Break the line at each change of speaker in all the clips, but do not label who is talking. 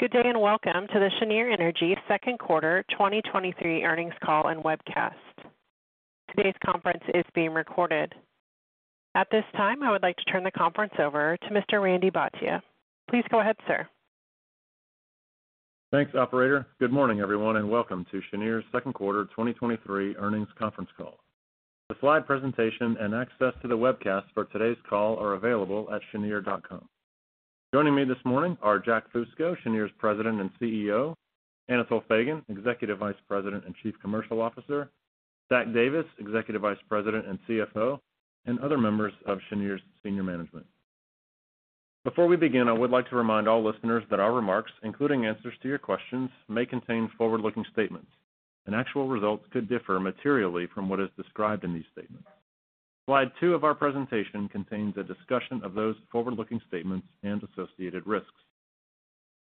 Good day, Welcome to the Cheniere Energy Second Quarter 2023 Earnings Call and Webcast. Today's conference is being recorded. At this time, I would like to turn the conference over to Mr. Randy Bhatia. Please go ahead, sir.
Thanks, operator. Good morning, everyone, and welcome to Cheniere's second quarter 2023 earnings conference call. The slide presentation and access to the webcast for today's call are available at cheniere.com. Joining me this morning are Jack Fusco, Cheniere's President and CEO, Anatol Feygin, Executive Vice President and Chief Commercial Officer, Zach Davis, Executive Vice President and CFO, and other members of Cheniere's senior management. Before we begin, I would like to remind all listeners that our remarks, including answers to your questions, may contain forward-looking statements, and actual results could differ materially from what is described in these statements. Slide 2 of our presentation contains a discussion of those forward-looking statements and associated risks.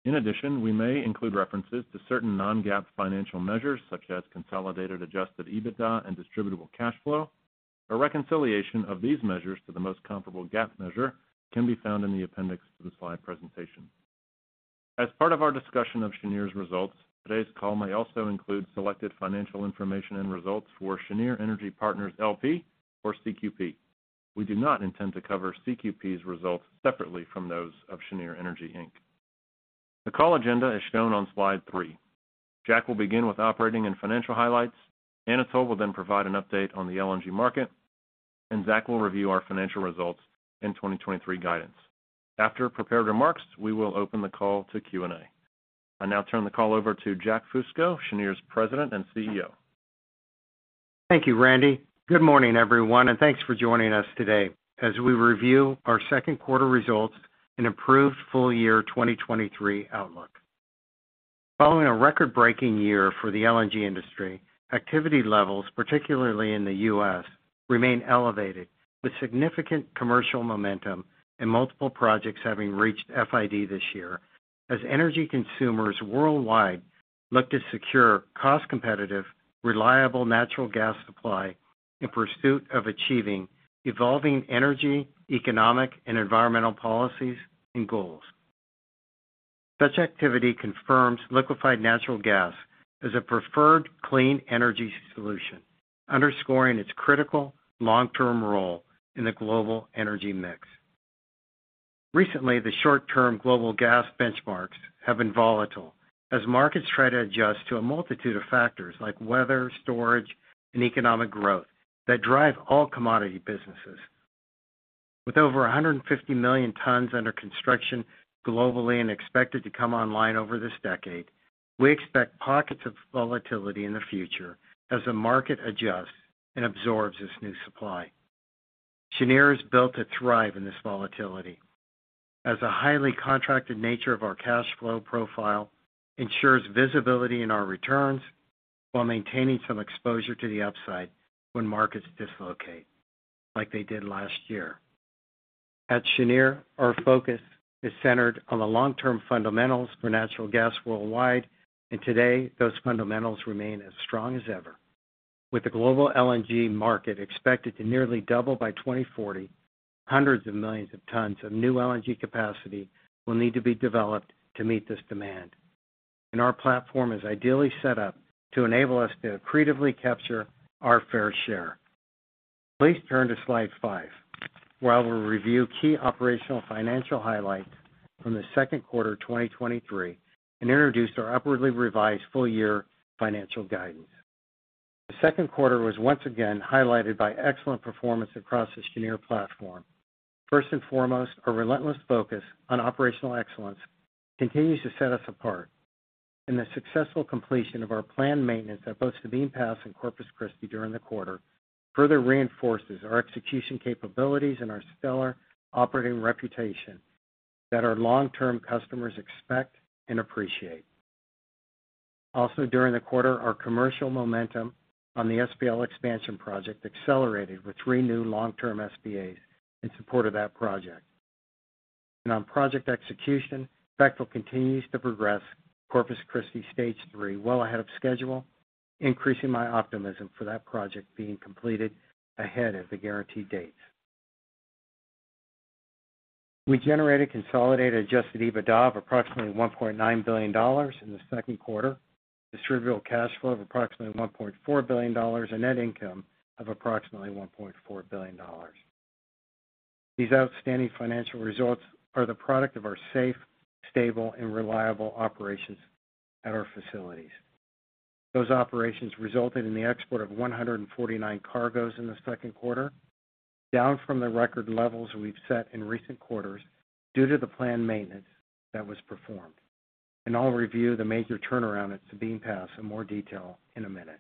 In addition, we may include references to certain non-GAAP financial measures, such as Consolidated Adjusted EBITDA and Distributable Cash Flow. A reconciliation of these measures to the most comparable GAAP measure can be found in the appendix to the slide presentation. As part of our discussion of Cheniere's results, today's call may also include selected financial information and results for Cheniere Energy Partners, L.P., or CQP. We do not intend to cover CQP's results separately from those of Cheniere Energy, Inc. The call agenda is shown on slide three. Jack will begin with operating and financial highlights. Anatol will then provide an update on the LNG market, and Zach will review our financial results and 2023 guidance. After prepared remarks, we will open the call to Q&A. I now turn the call over to Jack Fusco, Cheniere's President and CEO.
Thank you, Randy. Good morning, everyone, and thanks for joining us today as we review our second quarter results and improved full-year 2023 outlook. Following a record-breaking year for the LNG industry, activity levels, particularly in the U.S., remain elevated, with significant commercial momentum and multiple projects having reached FID this year, as energy consumers worldwide look to secure cost-competitive, reliable natural gas supply in pursuit of achieving evolving energy, economic, and environmental policies and goals. Such activity confirms liquefied natural gas as a preferred clean energy solution, underscoring its critical long-term role in the global energy mix. Recently, the short-term global gas benchmarks have been volatile as markets try to adjust to a multitude of factors like weather, storage, and economic growth that drive all commodity businesses. With over 150 million tons under construction globally and expected to come online over this decade, we expect pockets of volatility in the future as the market adjusts and absorbs this new supply. Cheniere is built to thrive in this volatility as a highly contracted nature of our cash flow profile ensures visibility in our returns while maintaining some exposure to the upside when markets dislocate, like they did last year. At Cheniere, our focus is centered on the long-term fundamentals for natural gas worldwide. Today, those fundamentals remain as strong as ever. With the global LNG market expected to nearly double by 2040, hundreds of millions of tons of new LNG capacity will need to be developed to meet this demand. Our platform is ideally set up to enable us to accretively capture our fair share. Please turn to slide five, where I will review key operational financial highlights from the second quarter 2023 and introduce our upwardly revised full-year financial guidance. The second quarter was once again highlighted by excellent performance across the Cheniere platform. First and foremost, our relentless focus on operational excellence continues to set us apart, and the successful completion of our planned maintenance at both Sabine Pass and Corpus Christi during the quarter further reinforces our execution capabilities and our stellar operating reputation that our long-term customers expect and appreciate. Also, during the quarter, our commercial momentum on the SPL Expansion Project accelerated with three new long-term SPAs in support of that project. On project execution, Bechtel continues to progress Corpus Christi Stage 3 well ahead of schedule, increasing my optimism for that project being completed ahead of the guaranteed dates. We generated Consolidated Adjusted EBITDA of approximately $1.9 billion in the second quarter, Distributable Cash Flow of approximately $1.4 billion, and net income of approximately $1.4 billion. These outstanding financial results are the product of our safe, stable, and reliable operations at our facilities. Those operations resulted in the export of 149 cargoes in the second quarter, down from the record levels we've set in recent quarters due to the planned maintenance that was performed. I'll review the major turnaround at Sabine Pass in more detail in a minute.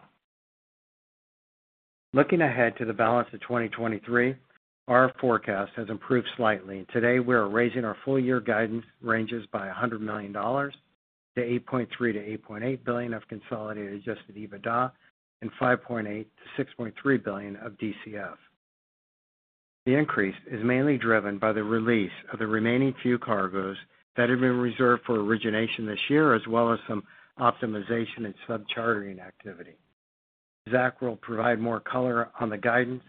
Looking ahead to the balance of 2023, our forecast has improved slightly. Today, we are raising our full-year guidance ranges by $100 million to $8.3 billion-$8.8 billion of Consolidated Adjusted EBITDA and $5.8 billion-$6.3 billion of DCF. The increase is mainly driven by the release of the remaining few cargoes that have been reserved for origination this year, as well as some optimization and sub-chartering activity. Zach will provide more color on the guidance,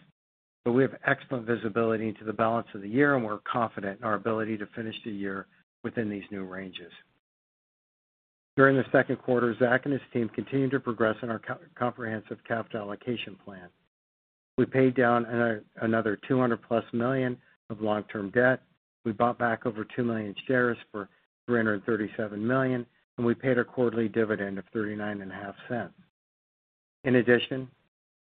but we have excellent visibility into the balance of the year, and we're confident in our ability to finish the year within these new ranges. During the second quarter, Zach and his team continued to progress in our co-comprehensive capital allocation plan. We paid down another $200+ million of long-term debt. We bought back over 2 million shares for $337 million. We paid a quarterly dividend of $0.395. In addition,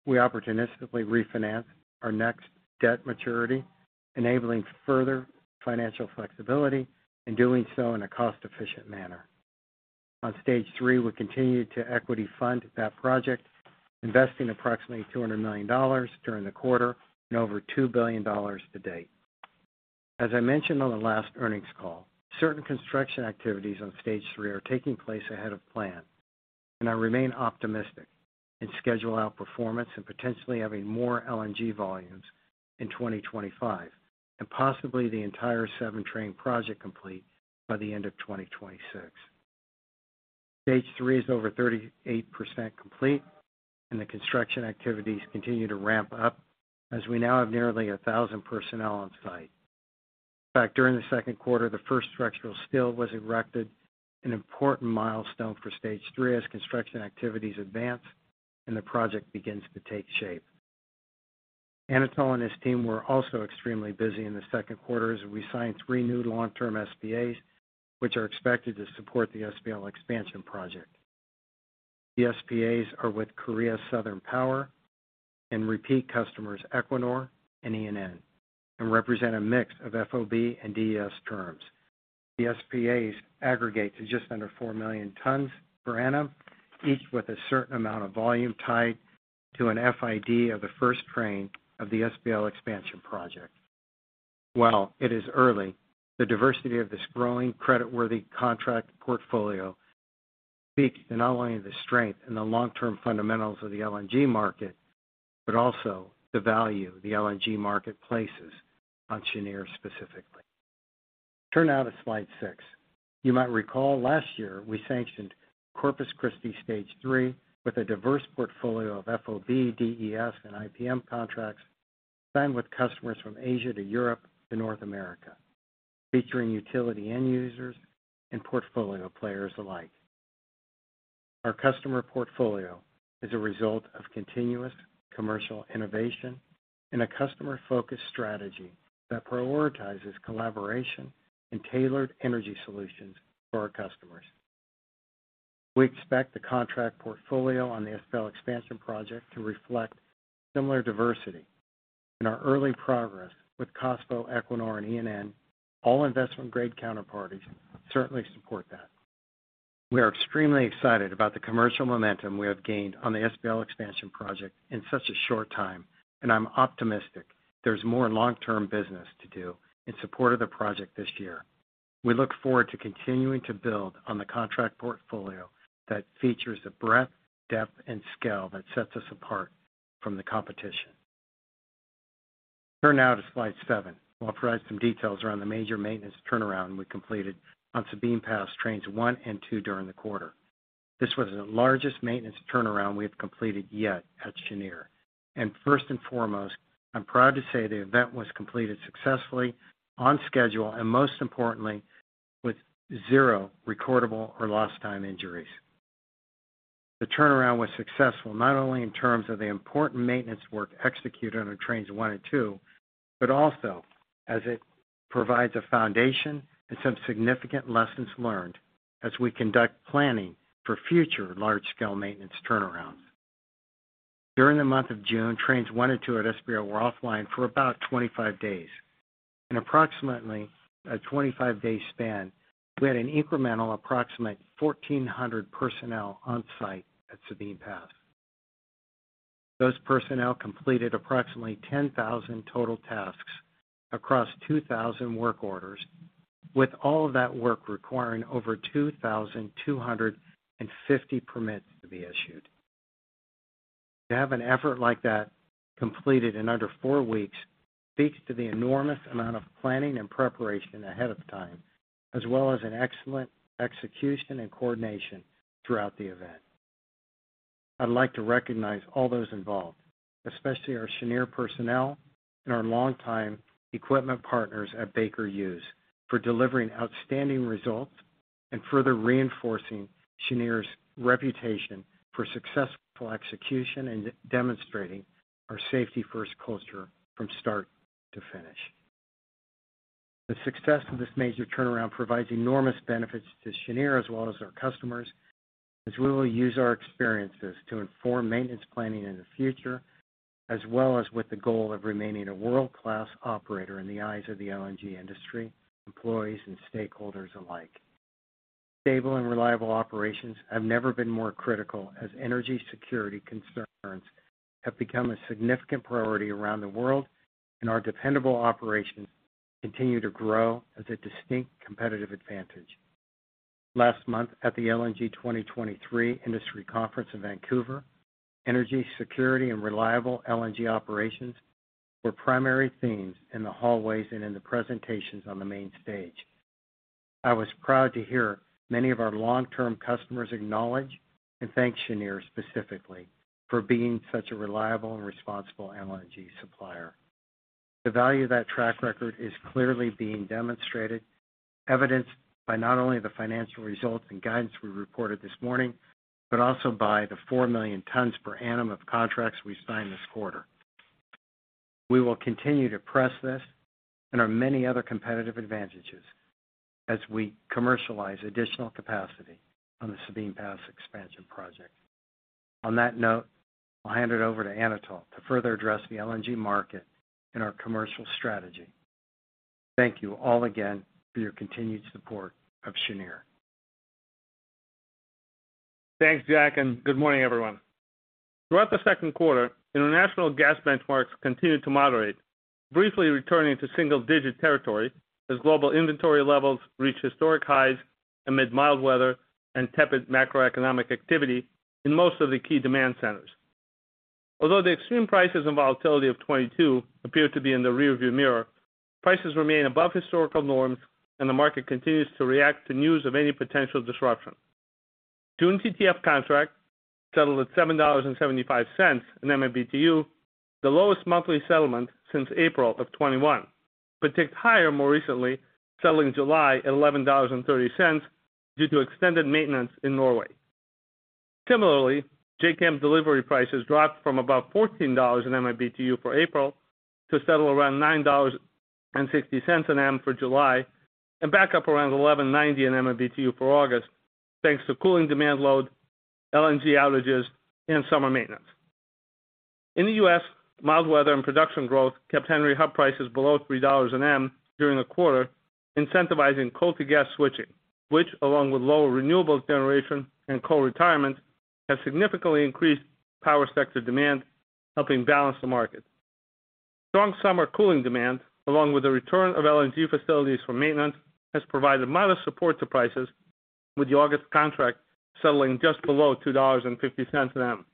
we opportunistically refinanced our next debt maturity, enabling further financial flexibility, doing so in a cost-efficient manner. On Stage 3, we continued to equity fund that project, investing approximately $200 million during the quarter and over $2 billion to date. As I mentioned on the last earnings call, certain construction activities on Stage 3 are taking place ahead of plan. I remain optimistic in schedule outperformance and potentially having more LNG volumes in 2025, and possibly the entire seven-train project complete by the end of 2026. Stage 3 is over 38% complete. The construction activities continue to ramp up as we now have nearly 1,000 personnel on site. In fact, during the second quarter, the first structural steel was erected, an important milestone for Stage 3 as construction activities advance and the project begins to take shape. Anatol and his team were also extremely busy in the second quarter as we signed three new long-term SPAs, which are expected to support the SPL Expansion Project. The SPAs are with Korea Southern Power and repeat customers, Equinor and ENN, represent a mix of FOB and DES terms. The SPAs aggregate to just under 4 million tons per annum, each with a certain amount of volume tied to an FID of the first train of the SPL Expansion Project. While it is early, the diversity of this growing creditworthy contract portfolio speaks to not only the strength and the long-term fundamentals of the LNG market, but also the value the LNG market places on Cheniere specifically. Turn now to slide six. You might recall last year, we sanctioned Corpus Christi Stage 3 with a diverse portfolio of FOB, DES, and IPM contracts signed with customers from Asia to Europe to North America, featuring utility end users and portfolio players alike. Our customer portfolio is a result of continuous commercial innovation and a customer-focused strategy that prioritizes collaboration and tailored energy solutions for our customers. We expect the contract portfolio on the SPL expansion project to reflect similar diversity in our early progress with KOSPO, Equinor, and ENN. All investment-grade counterparties certainly support that. We are extremely excited about the commercial momentum we have gained on the SPL expansion project in such a short time, and I'm optimistic there's more long-term business to do in support of the project this year. We look forward to continuing to build on the contract portfolio that features a breadth, depth, and scale that sets us apart from the competition. Turn now to slide seven. I'll provide some details around the major maintenance turnaround we completed on Sabine Pass Trains 1 and 2 during the quarter. This was the largest maintenance turnaround we have completed yet at Cheniere, and first and foremost, I'm proud to say the event was completed successfully on schedule, and most importantly, with zero recordable or lost time injuries. The turnaround was successful, not only in terms of the important maintenance work executed on Trains 1 and 2, but also as it provides a foundation and some significant lessons learned as we conduct planning for future large-scale maintenance turnarounds. During the month of June, Trains 1 and 2 at SPL were offline for about 25 days. In approximately a 25-day span, we had an incremental approximate 1,400 personnel on-site at Sabine Pass. Those personnel completed approximately 10,000 total tasks across 2,000 work orders, with all of that work requiring over 2,250 permits to be issued. To have an effort like that completed in under four weeks speaks to the enormous amount of planning and preparation ahead of time, as well as an excellent execution and coordination throughout the event. I'd like to recognize all those involved, especially our Cheniere personnel and our longtime equipment partners at Baker Hughes, for delivering outstanding results and further reinforcing Cheniere's reputation for successful execution and demonstrating our safety-first culture from start to finish. The success of this major turnaround provides enormous benefits to Cheniere as well as our customers, as we will use our experiences to inform maintenance planning in the future, as well as with the goal of remaining a world-class operator in the eyes of the LNG industry, employees, and stakeholders alike. Stable and reliable operations have never been more critical, as energy security concerns have become a significant priority around the world, and our dependable operations continue to grow as a distinct competitive advantage. Last month, at the LNG 2023 Industry Conference in Vancouver, energy security and reliable LNG operations were primary themes in the hallways and in the presentations on the main stage. I was proud to hear many of our long-term customers acknowledge and thank Cheniere specifically for being such a reliable and responsible LNG supplier. The value of that track record is clearly being demonstrated, evidenced by not only the financial results and guidance we reported this morning, but also by the 4 million tons per annum of contracts we signed this quarter. We will continue to press this and our many other competitive advantages as we commercialize additional capacity on the Sabine Pass expansion project. On that note, I'll hand it over to Anatol to further address the LNG market and our commercial strategy. Thank you all again for your continued support of Cheniere.
Thanks, Jack. Good morning, everyone. Throughout the second quarter, international gas benchmarks continued to moderate, briefly returning to single-digit territory as global inventory levels reached historic highs amid mild weather and tepid macroeconomic activity in most of the key demand centers. Although the extreme prices and volatility of 2022 appear to be in the rearview mirror, prices remain above historical norms, the market continues to react to news of any potential disruption. June TTF contract settled at $7.75 in MMBtu, the lowest monthly settlement since April of 2021, ticked higher more recently, settling July at $11.30 due to extended maintenance in Norway. Similarly, JKM delivery prices dropped from about $14 in MMBtu for April to settle around $9.60 an M for July, and back up around $11.90 in MMBtu for August, thanks to cooling demand load, LNG outages, and summer maintenance. In the U.S., mild weather and production growth kept Henry Hub prices below $3 an M during the quarter, incentivizing coal to gas switching, which, along with lower renewables generation and coal retirement, has significantly increased power sector demand, helping balance the market. Strong summer cooling demand, along with the return of LNG facilities for maintenance, has provided modest support to prices, with the August contract settling just below $2.50 an M.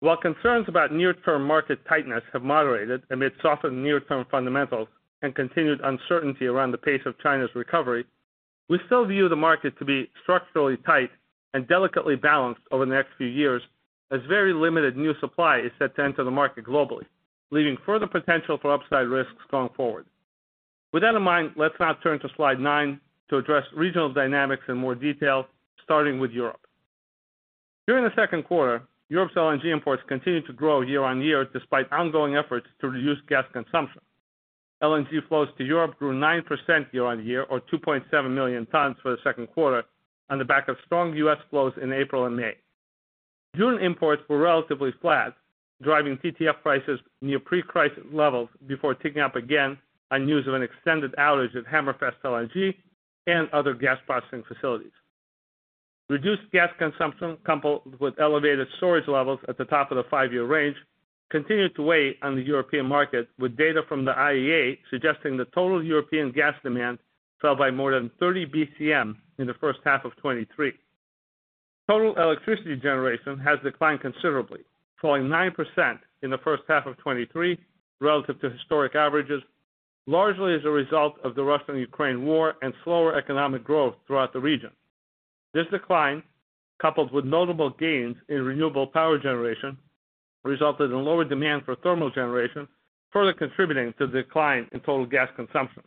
While concerns about near-term market tightness have moderated amid softened near-term fundamentals and continued uncertainty around the pace of China's recovery, we still view the market to be structurally tight and delicately balanced over the next few years, as very limited new supply is set to enter the market globally, leaving further potential for upside risks going forward. With that in mind, let's now turn to slide nine to address regional dynamics in more detail, starting with Europe. During the second quarter, Europe's LNG imports continued to grow year-on-year, despite ongoing efforts to reduce gas consumption. LNG flows to Europe grew 9% year-on-year, or 2.7 million tons for the second quarter, on the back of strong U.S. flows in April and May. June imports were relatively flat, driving TTF prices near pre-crisis levels before ticking up again on news of an extended outage at Hammerfest LNG and other gas processing facilities. Reduced gas consumption, coupled with elevated storage levels at the top of the five-year range, continued to weigh on the European market, with data from the IEA suggesting that total European gas demand fell by more than 30 BCM in the first half of 2023. Total electricity generation has declined considerably, falling 9% in the first half of 2023 relative to historic averages, largely as a result of the Russia-Ukraine war and slower economic growth throughout the region. This decline, coupled with notable gains in renewable power generation, resulted in lower demand for thermal generation, further contributing to the decline in total gas consumption.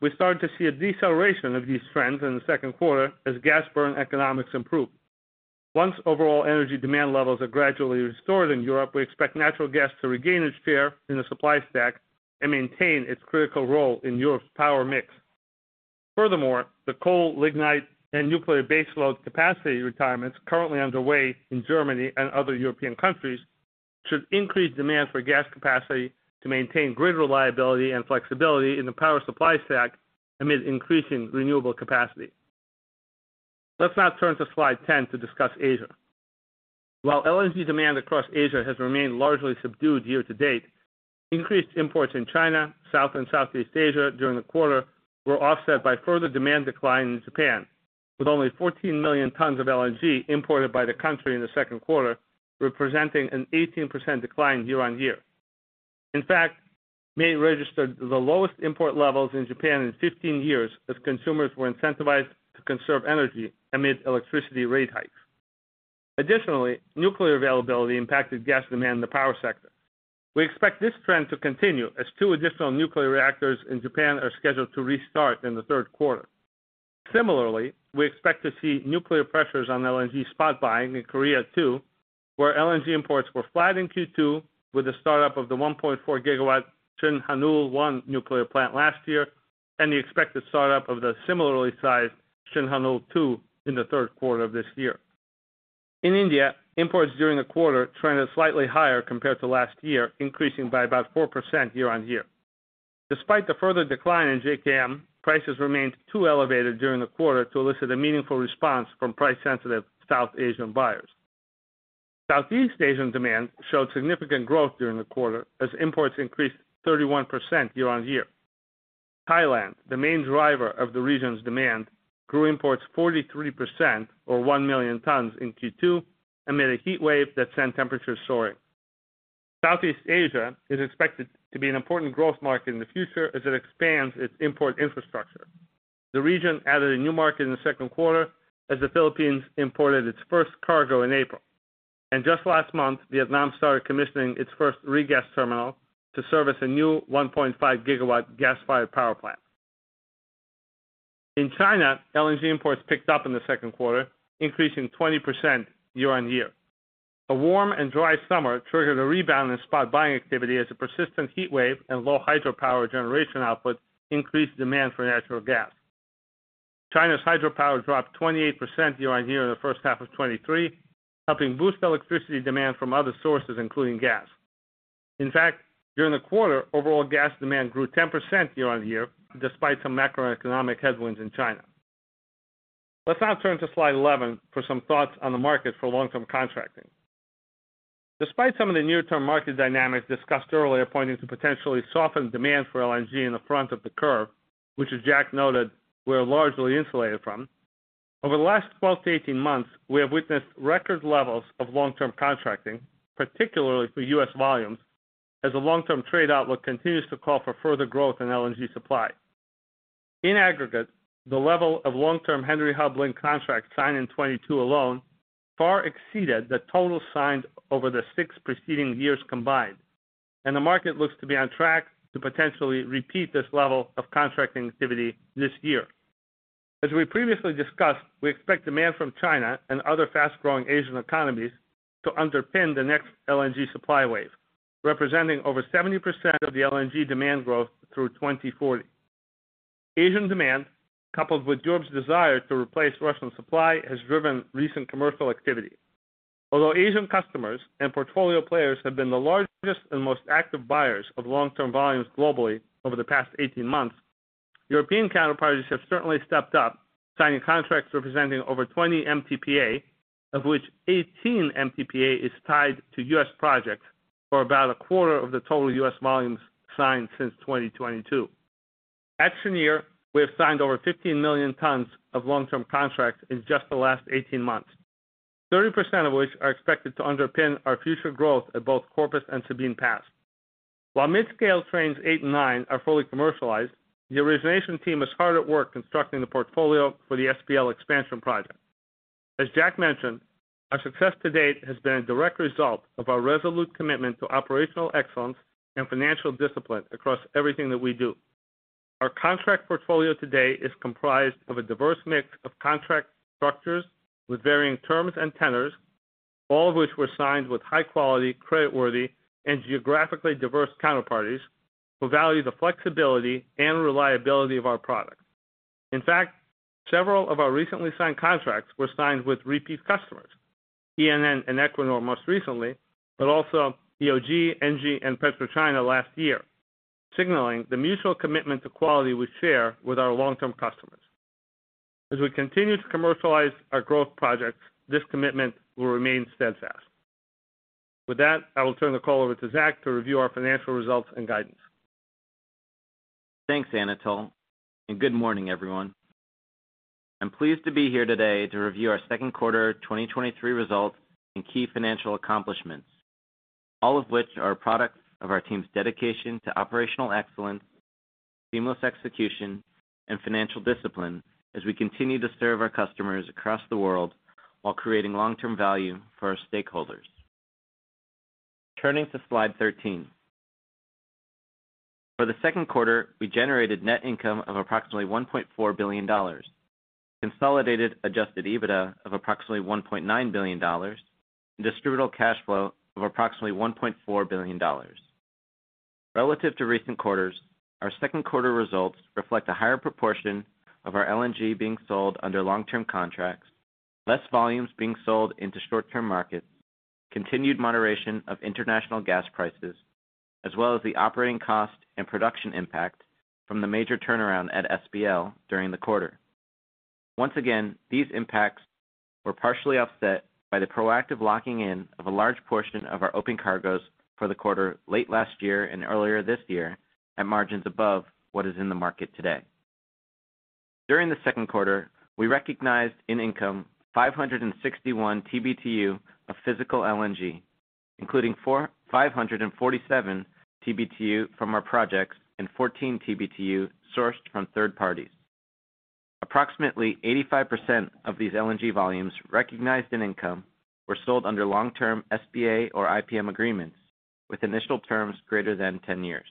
We started to see a deceleration of these trends in the second quarter as gas burn economics improved. Once overall energy demand levels are gradually restored in Europe, we expect natural gas to regain its share in the supply stack and maintain its critical role in Europe's power mix. The coal, lignite, and nuclear baseload capacity retirements currently underway in Germany and other European countries should increase demand for gas capacity to maintain grid reliability and flexibility in the power supply stack amid increasing renewable capacity. Let's now turn to slide 10 to discuss Asia. While LNG demand across Asia has remained largely subdued year to date, increased imports in China, South and Southeast Asia during the quarter were offset by further demand decline in Japan, with only 14 million tons of LNG imported by the country in the second quarter, representing an 18% decline year-on-year. In fact, May registered the lowest import levels in Japan in 15 years, as consumers were incentivized to conserve energy amid electricity rate hikes. Additionally, nuclear availability impacted gas demand in the power sector. We expect this trend to continue as two additional nuclear reactors in Japan are scheduled to restart in the third quarter. Similarly, we expect to see nuclear pressures on LNG spot buying in Korea, too, where LNG imports were flat in Q2 with the startup of the 1.4 GW Shin Hanul Unit 1 nuclear plant last year and the expected start-up of the similarly sized Shin Hanul 2 in the third quarter of this year. In India, imports during the quarter trended slightly higher compared to last year, increasing by about 4% year-on-year. Despite the further decline in JKM, prices remained too elevated during the quarter to elicit a meaningful response from price-sensitive South Asian buyers. Southeast Asian demand showed significant growth during the quarter as imports increased 31% year-on-year. Thailand, the main driver of the region's demand, grew imports 43%, or 1 million tons in Q2, amid a heat wave that sent temperatures soaring. Southeast Asia is expected to be an important growth market in the future as it expands its import infrastructure. The region added a new market in the second quarter, as the Philippines imported its first cargo in April. Just last month, Vietnam started commissioning its first regas terminal to service a new 1.5 GW gas-fired power plant. In China, LNG imports picked up in the second quarter, increasing 20% year-on-year. A warm and dry summer triggered a rebound in spot buying activity as a persistent heat wave and low hydropower generation output increased demand for natural gas. China's hydropower dropped 28% year-on-year in the first half of 2023, helping boost electricity demand from other sources, including gas. In fact, during the quarter, overall gas demand grew 10% year-on-year, despite some macroeconomic headwinds in China. Let's now turn to slide 11 for some thoughts on the market for long-term contracting. Despite some of the near-term market dynamics discussed earlier, pointing to potentially soften demand for LNG in the front of the curve, which as Jack noted, we're largely insulated from. Over the last 12 to 18 months, we have witnessed record levels of long-term contracting, particularly for U.S. volumes, as the long-term trade outlook continues to call for further growth in LNG supply. In aggregate, the level of long-term Henry Hub linked contracts signed in 2022 alone far exceeded the total signed over the six preceding years combined, and the market looks to be on track to potentially repeat this level of contracting activity this year. As we previously discussed, we expect demand from China and other fast-growing Asian economies to underpin the next LNG supply wave, representing over 70% of the LNG demand growth through 2040. Asian demand, coupled with Europe's desire to replace Russian supply, has driven recent commercial activity. Although Asian customers and portfolio players have been the largest and most active buyers of long-term volumes globally over the past 18 months, European counterparties have certainly stepped up, signing contracts representing over 20 MTPA, of which 18 MTPA is tied to U.S. projects for about 25% of the total U.S. volumes signed since 2022. At Cheniere, we have signed over 15 million tons of long-term contracts in just the last 18 months, 30% of which are expected to underpin our future growth at both Corpus and Sabine Pass. While midscale Trains 8 and 9 are fully commercialized, the origination team is hard at work constructing the portfolio for the SPL Expansion Project. As Jack mentioned, our success to date has been a direct result of our resolute commitment to operational excellence and financial discipline across everything that we do. Our contract portfolio today is comprised of a diverse mix of contract structures with varying terms and tenors, all of which were signed with high-quality, creditworthy, and geographically diverse counterparties who value the flexibility and reliability of our products. In fact, several of our recently signed contracts were signed with repeat customers, ENN and Equinor most recently, but also EOG, NG, and PetroChina last year, signaling the mutual commitment to quality we share with our long-term customers. As we continue to commercialize our growth projects, this commitment will remain steadfast. With that, I will turn the call over to Zach to review our financial results and guidance.
Thanks, Anatol. Good morning, everyone. I'm pleased to be here today to review our second quarter 2023 results and key financial accomplishments, all of which are products of our team's dedication to operational excellence, seamless execution, and financial discipline as we continue to serve our customers across the world while creating long-term value for our stakeholders. Turning to slide 13. For the second quarter, we generated net income of approximately $1.4 billion, Consolidated Adjusted EBITDA of approximately $1.9 billion, and Distributable Cash Flow of approximately $1.4 billion. Relative to recent quarters, our second quarter results reflect a higher proportion of our LNG being sold under long-term contracts, less volumes being sold into short-term markets, continued moderation of international gas prices, as well as the operating cost and production impact from the major turnaround at SPL during the quarter. Once again, these impacts were partially offset by the proactive locking in of a large portion of our open cargoes for the quarter, late last year and earlier this year, at margins above what is in the market today. During the second quarter, we recognized in income 561 TBtu of physical LNG, including 547 TBtu from our projects and 14 TBtu sourced from third parties. Approximately 85% of these LNG volumes recognized in income were sold under long-term SPA or IPM agreements, with initial terms greater than 10 years.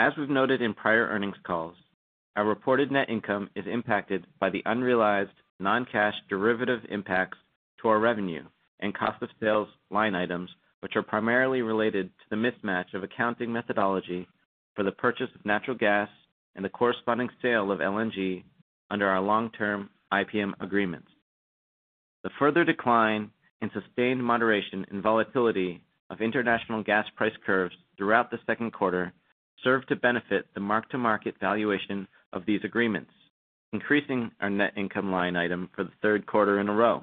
As we've noted in prior earnings calls, our reported net income is impacted by the unrealized non-cash derivative impacts to our revenue and cost of sales line items, which are primarily related to the mismatch of accounting methodology for the purchase of natural gas and the corresponding sale of LNG under our long-term IPM agreements. The further decline and sustained moderation in volatility of international gas price curves throughout the second quarter served to benefit the mark-to-market valuation of these agreements, increasing our net income line item for the third quarter in a row.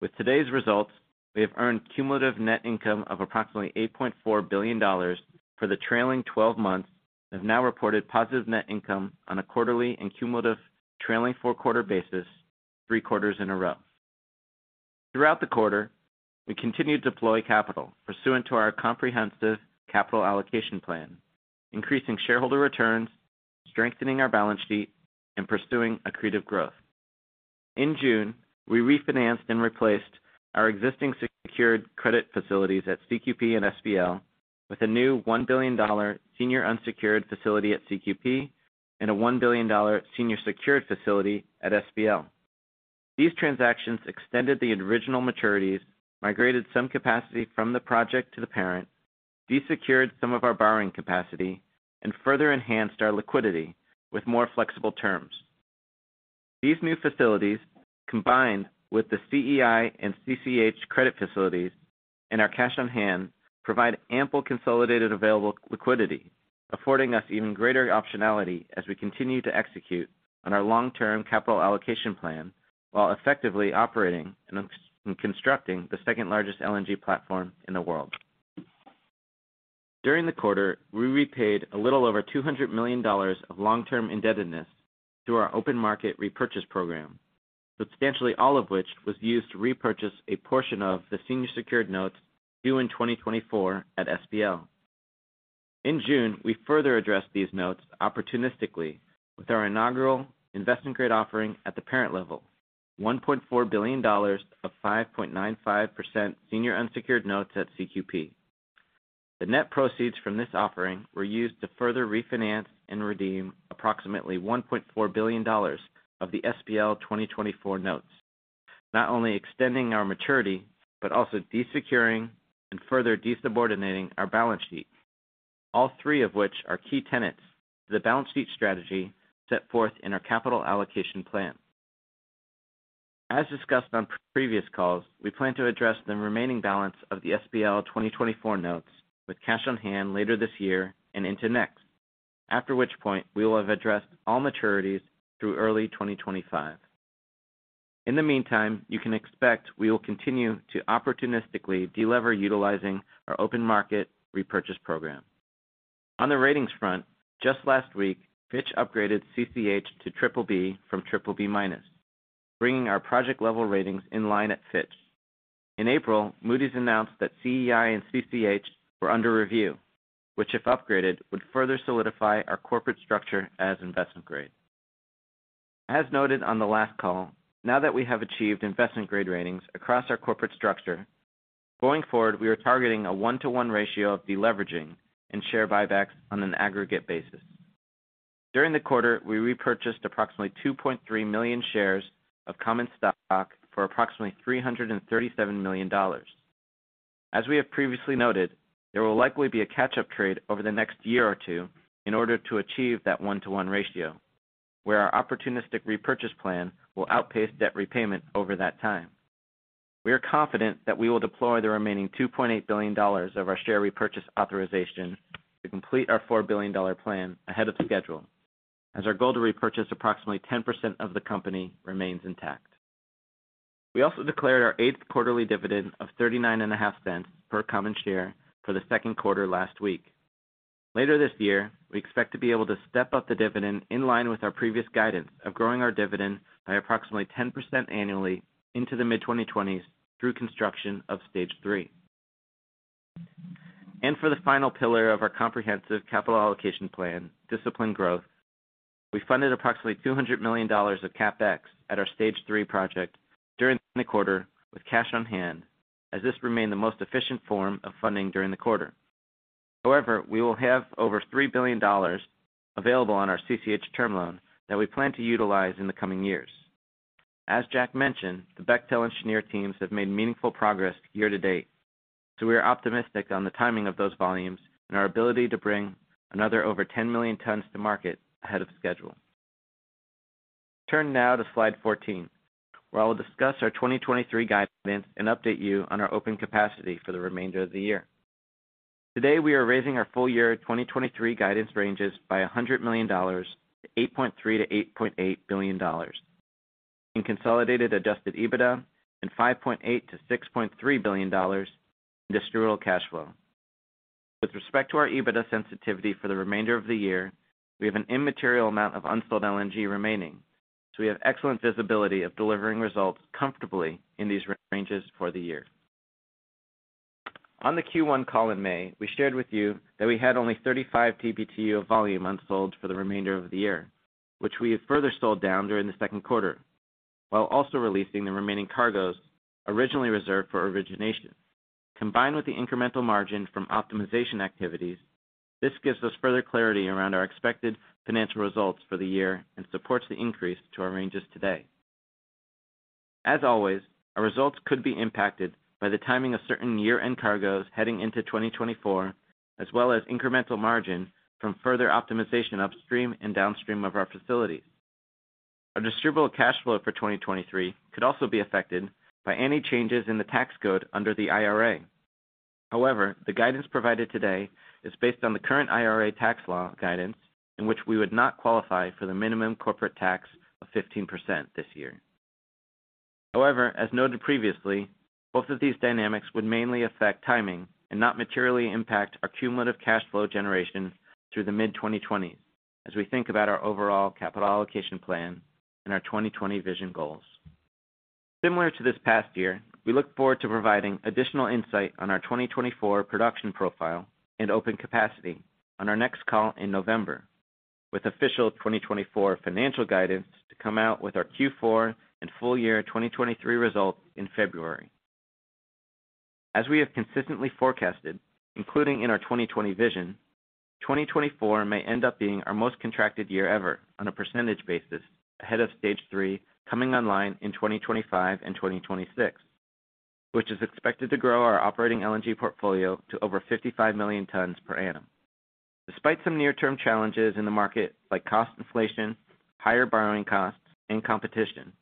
With today's results, we have earned cumulative net income of approximately $8.4 billion for the trailing 12 months and have now reported positive net income on a quarterly and cumulative trailing four-quarter basis, three quarters in a row. Throughout the quarter, we continued to deploy capital pursuant to our comprehensive capital allocation plan, increasing shareholder returns, strengthening our balance sheet, and pursuing accretive growth. In June, we refinanced and replaced our existing secured credit facilities at CQP and SBL with a new $1 billion senior unsecured facility at CQP and a $1 billion senior secured facility at SBL. These transactions extended the original maturities, migrated some capacity from the project to the parent, desecured some of our borrowing capacity, and further enhanced our liquidity with more flexible terms. These new facilities, combined with the CEI and CCH credit facilities and our cash on hand, provide ample consolidated available liquidity, affording us even greater optionality as we continue to execute on our long-term capital allocation plan, while effectively operating and constructing the second-largest LNG platform in the world. During the quarter, we repaid a little over $200 million of long-term indebtedness through our open market repurchase program, substantially all of which was used to repurchase a portion of the senior secured notes due in 2024 at SBL. In June, we further addressed these notes opportunistically with our inaugural investment-grade offering at the parent level, $1.4 billion of 5.95% senior unsecured notes at CQP. The net proceeds from this offering were used to further refinance and redeem approximately $1.4 billion of the SBL 2024 notes, not only extending our maturity, but also desecuring and further desubordinating our balance sheet, all three of which are key tenets to the balance sheet strategy set forth in our capital allocation plan. As discussed on previous calls, we plan to address the remaining balance of the SBL 2024 notes with cash on hand later this year and into next, after which point we will have addressed all maturities through early 2025. In the meantime, you can expect we will continue to opportunistically de-lever utilizing our open market repurchase program. On the ratings front, just last week, Fitch upgraded CCH to triple B from BBB-, bringing our project-level ratings in line at Fitch. In April, Moody's announced that CEI and CCH were under review, which, if upgraded, would further solidify our corporate structure as investment-grade. As noted on the last call, now that we have achieved investment-grade ratings across our corporate structure, going forward, we are targeting a 1-to-1 ratio of de-leveraging and share buybacks on an aggregate basis. During the quarter, we repurchased approximately 2.3 million shares of common stock for approximately $337 million. As we have previously noted, there will likely be a catch-up trade over the next year or two in order to achieve that one-to-one ratio, where our opportunistic repurchase plan will outpace debt repayment over that time. We are confident that we will deploy the remaining $2.8 billion of our share repurchase authorization to complete our $4 billion plan ahead of schedule, as our goal to repurchase approximately 10% of the company remains intact. We also declared our eighth quarterly dividend of $0.395 per common share for the second quarter last week. Later this year, we expect to be able to step up the dividend in line with our previous guidance of growing our dividend by approximately 10% annually into the mid-2020s through construction of Stage 3. For the final pillar of our comprehensive capital allocation plan, disciplined growth, we funded approximately $200 million of CapEx at our Stage 3 project during the quarter with cash on hand, as this remained the most efficient form of funding during the quarter. We will have over $3 billion available on our CCH Term Loan that we plan to utilize in the coming years. As Jack mentioned, the Bechtel engineer teams have made meaningful progress year-to-date. We are optimistic on the timing of those volumes and our ability to bring another over 10 million tons to market ahead of schedule. Turn now to slide 14, where I will discuss our 2023 guidance and update you on our open capacity for the remainder of the year. Today, we are raising our full year 2023 guidance ranges by $100 million to $8.3 billion-$8.8 billion in Consolidated Adjusted EBITDA and $5.8 billion-$6.3 billion in Distributable Cash Flow. With respect to our EBITDA sensitivity for the remainder of the year, we have an immaterial amount of unsold LNG remaining, so we have excellent visibility of delivering results comfortably in these ranges for the year. On the Q1 call in May, we shared with you that we had only 35 TBtu of volume unsold for the remainder of the year, which we have further sold down during the second quarter, while also releasing the remaining cargoes originally reserved for origination. Combined with the incremental margin from optimization activities, this gives us further clarity around our expected financial results for the year and supports the increase to our ranges today. As always, our results could be impacted by the timing of certain year-end cargoes heading into 2024, as well as incremental margin from further optimization upstream and downstream of our facilities. Our Distributable Cash Flow for 2023 could also be affected by any changes in the tax code under the IRA. However, the guidance provided today is based on the current IRA tax law guidance, in which we would not qualify for the minimum corporate tax of 15% this year.... However, as noted previously, both of these dynamics would mainly affect timing and not materially impact our cumulative cash flow generation through the mid-2020s, as we think about our overall capital allocation plan and our 2020 Vision goals. Similar to this past year, we look forward to providing additional insight on our 2024 production profile and open capacity on our next call in November, with official 2024 financial guidance to come out with our Q4 and full year 2023 results in February. As we have consistently forecasted, including in our 2020 Vision, 2024 may end up being our most contracted year ever on a percentage basis, ahead of Stage 3, coming online in 2025 and 2026, which is expected to grow our operating LNG portfolio to over 55 million tons per annum. Despite some near-term challenges in the market, like cost inflation, higher borrowing costs, and competition,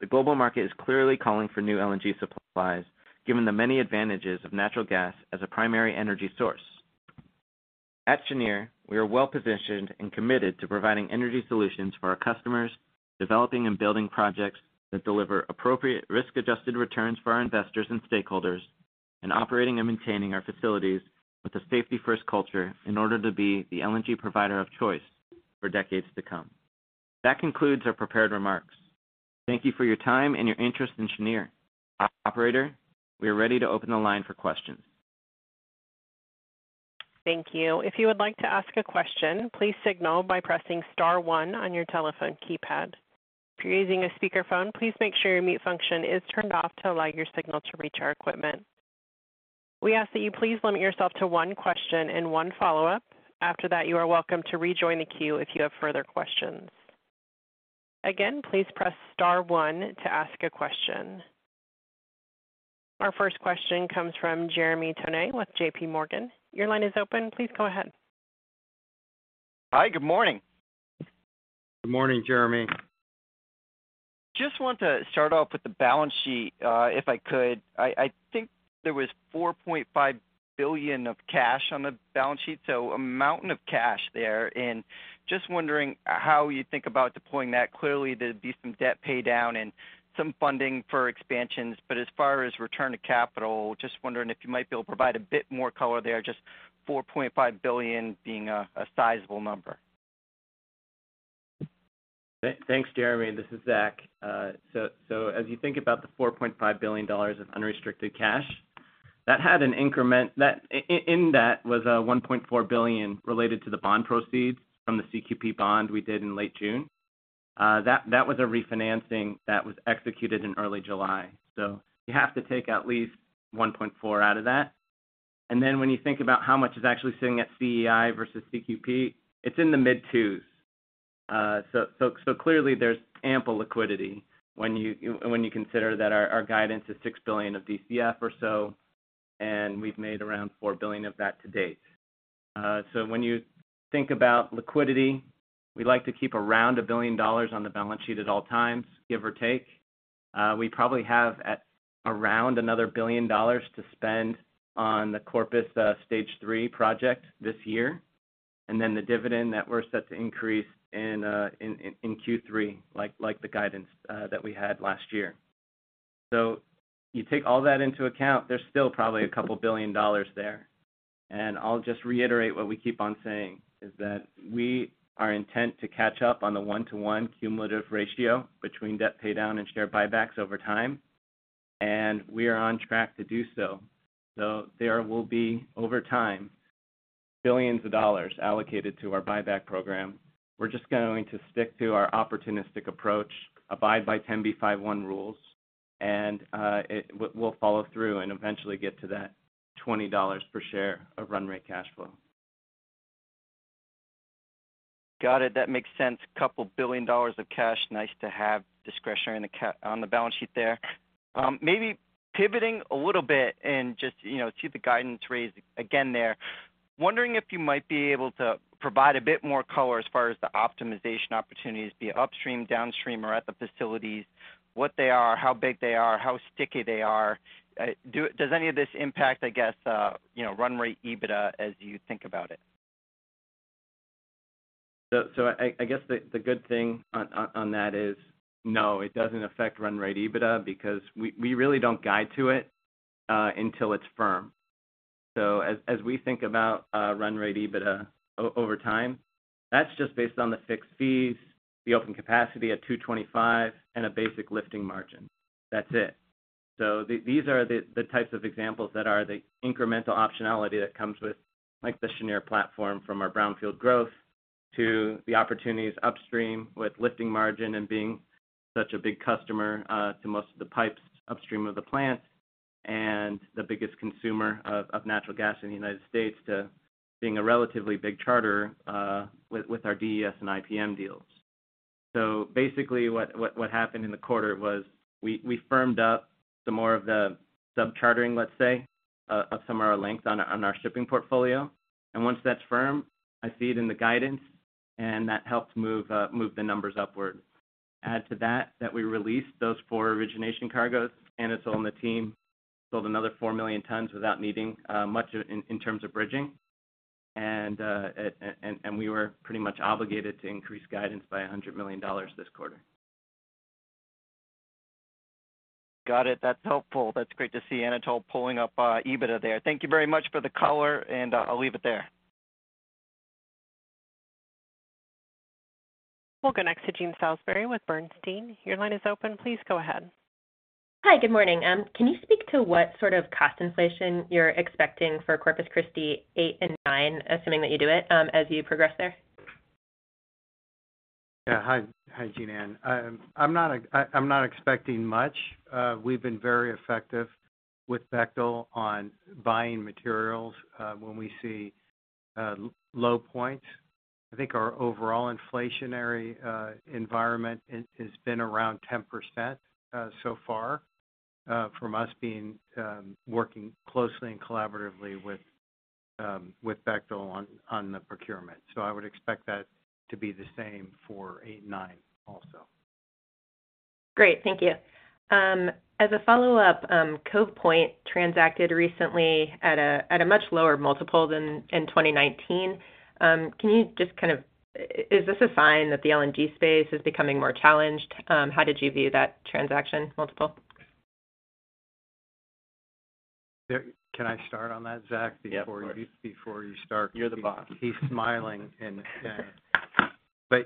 the global market is clearly calling for new LNG supplies, given the many advantages of natural gas as a primary energy source. At Cheniere, we are well-positioned and committed to providing energy solutions for our customers, developing and building projects that deliver appropriate risk-adjusted returns for our investors and stakeholders, and operating and maintaining our facilities with a safety-first culture in order to be the LNG provider of choice for decades to come. That concludes our prepared remarks. Thank you for your time and your interest in Cheniere. Operator, we are ready to open the line for questions.
Thank you. If you would like to ask a question, please signal by pressing star one on your telephone keypad. If you're using a speakerphone, please make sure your mute function is turned off to allow your signal to reach our equipment. We ask that you please limit yourself to one question and one follow-up. After that, you are welcome to rejoin the queue if you have further questions. Again, please press star one to ask a question. Our first question comes from Jeremy Tonet with J.P. Morgan. Your line is open. Please go ahead.
Hi, good morning.
Good morning, Jeremy.
Just want to start off with the balance sheet, if I could. I, I think there was $4.5 billion of cash on the balance sheet, so a mountain of cash there. Just wondering how you think about deploying that. Clearly, there'd be some debt paydown and some funding for expansions, but as far as return to capital, just wondering if you might be able to provide a bit more color there, just $4.5 billion being a sizable number.
Thanks, Jeremy Tonet. This is Zach Davis. So, so as you think about the $4.5 billion of unrestricted cash, that had an increment that-- in that was a $1.4 billion related to the bond proceeds from the CQP bond we did in late June. That, that was a refinancing that was executed in early July. You have to take at least $1.4 billion out of that. Then when you think about how much is actually sitting at CEI versus CQP, it's in the mid-twos. Clearly there's ample liquidity when you, when you consider that our, our guidance is $6 billion of DCF or so, and we've made around $4 billion of that to date. When you think about liquidity, we'd like to keep around $1 billion on the balance sheet at all times, give or take. We probably have at around another $1 billion to spend on the Corpus Stage 3 project this year, and then the dividend that we're set to increase in Q3, the guidance that we had last year. You take all that into account, there's still probably $2 billion there. I'll just reiterate what we keep on saying, is that we are intent to catch up on the 1-to-1 cumulative ratio between debt paydown and share buybacks over time, and we are on track to do so. There will be, over time, billions of dollars allocated to our buyback program. We're just going to stick to our opportunistic approach, abide by Rule 10b5-1 rules, and we'll follow through and eventually get to that $20 per share of run rate cash flow.
Got it. That makes sense. $2 billion of cash, nice to have discretionary on the balance sheet there. Maybe pivoting a little bit and just, you know, to the guidance raised again there. Wondering if you might be able to provide a bit more color as far as the optimization opportunities, be it upstream, downstream, or at the facilities, what they are, how big they are, how sticky they are? Does any of this impact, I guess, you know, run rate EBITDA as you think about it?
I, I guess the, the good thing on, on, on that is, no, it doesn't affect run rate EBITDA because we, we really don't guide to it until it's firm. As, as we think about run rate EBITDA over time, that's just based on the fixed fees, the open capacity at 225, and a basic lifting margin. That's it. These are the, the types of examples that are the incremental optionality that comes with, like, the Cheniere platform from our brownfield growth to the opportunities upstream with lifting margin and being such a big customer to most of the pipes upstream of the plant, and the biggest consumer of, of natural gas in the United States, to being a relatively big charterer with, with our DES and IPM deals. Basically, what happened in the quarter was we firmed up some more of the sub-chartering, let's say, of some of our links on our shipping portfolio. Once that's firm, I see it in the guidance, and that helped move the numbers upward. Add to that, that we released those four origination cargoes, and it's on the team, sold another four million tons without needing much in terms of bridging, and we were pretty much obligated to increase guidance by $100 million this quarter.
Got it. That's helpful. That's great to see Anatol pulling up EBITDA there. Thank you very much for the color. I'll leave it there.
We'll go next to Jean Salisbury with Bernstein. Your line is open. Please go ahead.
Hi, good morning. Can you speak to what sort of cost inflation you're expecting for Corpus Christi 8 and 9, assuming that you do it, as you progress there?
Yeah. Hi. Hi, Jean Ann. I'm not expecting much. We've been very effective with Bechtel on buying materials, when we see low points. I think our overall inflationary environment is, has been around 10%, so far, from us being working closely and collaboratively with Bechtel on the procurement. I would expect that to be the same for 8 and 9 also.
Great. Thank you. As a follow-up, Cove Point transacted recently at a, at a much lower multiple than in 2019. Can you just kind of, is this a sign that the LNG space is becoming more challenged? How did you view that transaction multiple?
Can I start on that, Zach?
Yeah, of course.
Before you, before you start?
You're the boss.
He's smiling in the stand.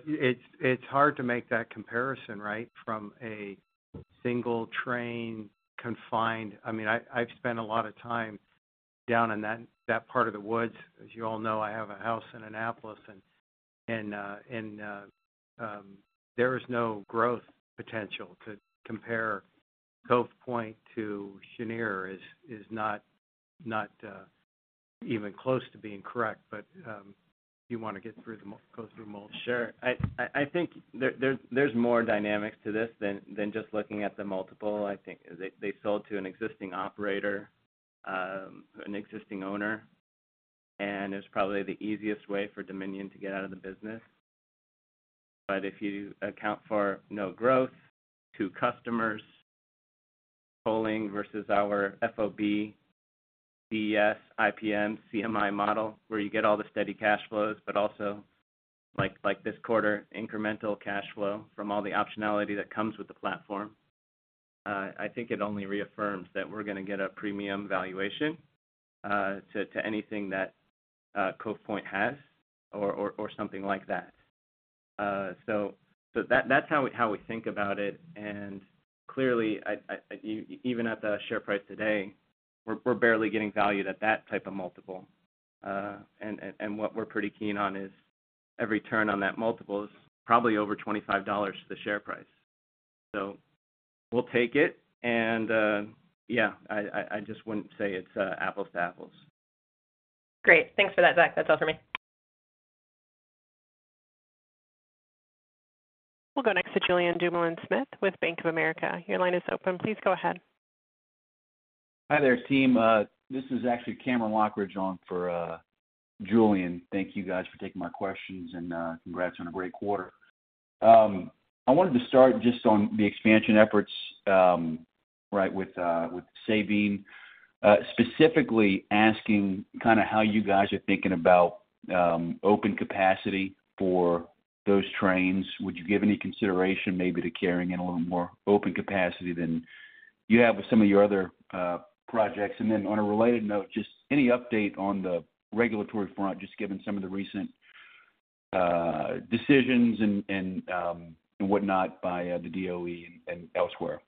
It's, it's hard to make that comparison, right, from a single train confined... I mean, I, I've spent a lot of time down in that, that part of the woods. As you all know, I have a house in Annapolis, and, and, there is no growth potential. To compare Cove Point to Cheniere is, is not, not, even close to being correct. You want to get through the go through multiple.
Sure. I think there's more dynamics to this than just looking at the multiple. I think they sold to an existing operator, an existing owner, and it's probably the easiest way for Dominion to get out of the business. If you account for no growth to customers, bowling versus our FOB, DES, IPM, CMI model, where you get all the steady cash flows, but also, like this quarter, incremental cash flow from all the optionality that comes with the platform, I think it only reaffirms that we're going to get a premium valuation to anything that Cove Point has or something like that. That's how we think about it. Clearly, even at the share price today, we're barely getting valued at that type of multiple. What we're pretty keen on is every turn on that multiple is probably over $25 to the share price. We'll take it, and, yeah, I just wouldn't say it's apples to apples.
Great. Thanks for that, Zach. That's all for me.
We'll go next to Julien Dumoulin-Smith with Bank of America. Your line is open. Please go ahead.
Hi there, team. This is actually Cameron Lochridge on for Julian. Thank you guys for taking my questions, and congrats on a great quarter. I wanted to start just on the expansion efforts, right, with Sabine, specifically asking kind of how you guys are thinking about open capacity for those trains. Would you give any consideration maybe to carrying in a little more open capacity than you have with some of your other projects? Then on a related note, just any update on the regulatory front, just given some of the recent decisions and, and, and whatnot by the DOE and elsewhere.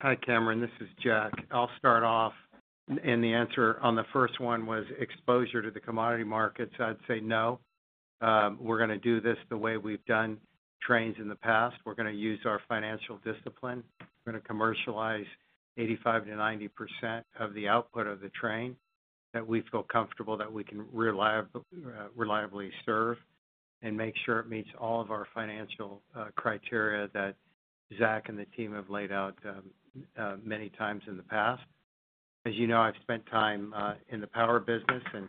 Hi, Cameron. This is Jack. I'll start off, and the answer on the first one was exposure to the commodity markets. I'd say no. We're going to do this the way we've done trains in the past. We're going to use our financial discipline. We're going to commercialize 85%-90% of the output of the train that we feel comfortable that we can reliably serve and make sure it meets all of our financial criteria that Zach and the team have laid out many times in the past. As you know, I've spent time in the power business, and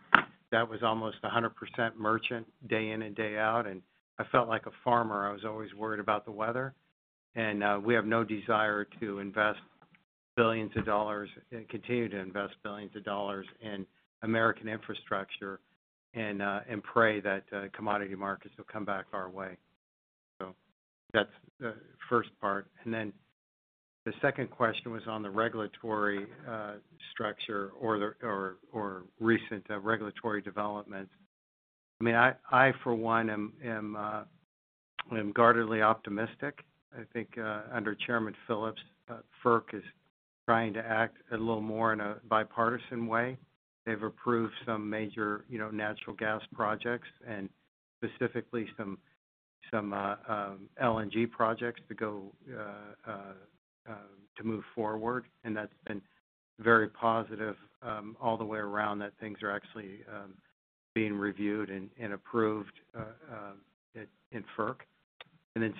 that was almost 100% merchant, day in and day out, and I felt like a farmer. I was always worried about the weather, and, we have no desire to invest billions of dollars and continue to invest billions of dollars in American infrastructure and, and pray that, commodity markets will come back our way. That's the first part. The second question was on the regulatory, structure or the, or, or recent regulatory developments. I mean, I, I, for one, am, am, am guardedly optimistic. I think, under Chairman Phillips, FERC is trying to act a little more in a bipartisan way. They've approved some major, you know, natural gas projects and specifically some, some, LNG projects to go, to move forward, and that's been very positive, all the way around, that things are actually, being reviewed and, and approved, at, in FERC.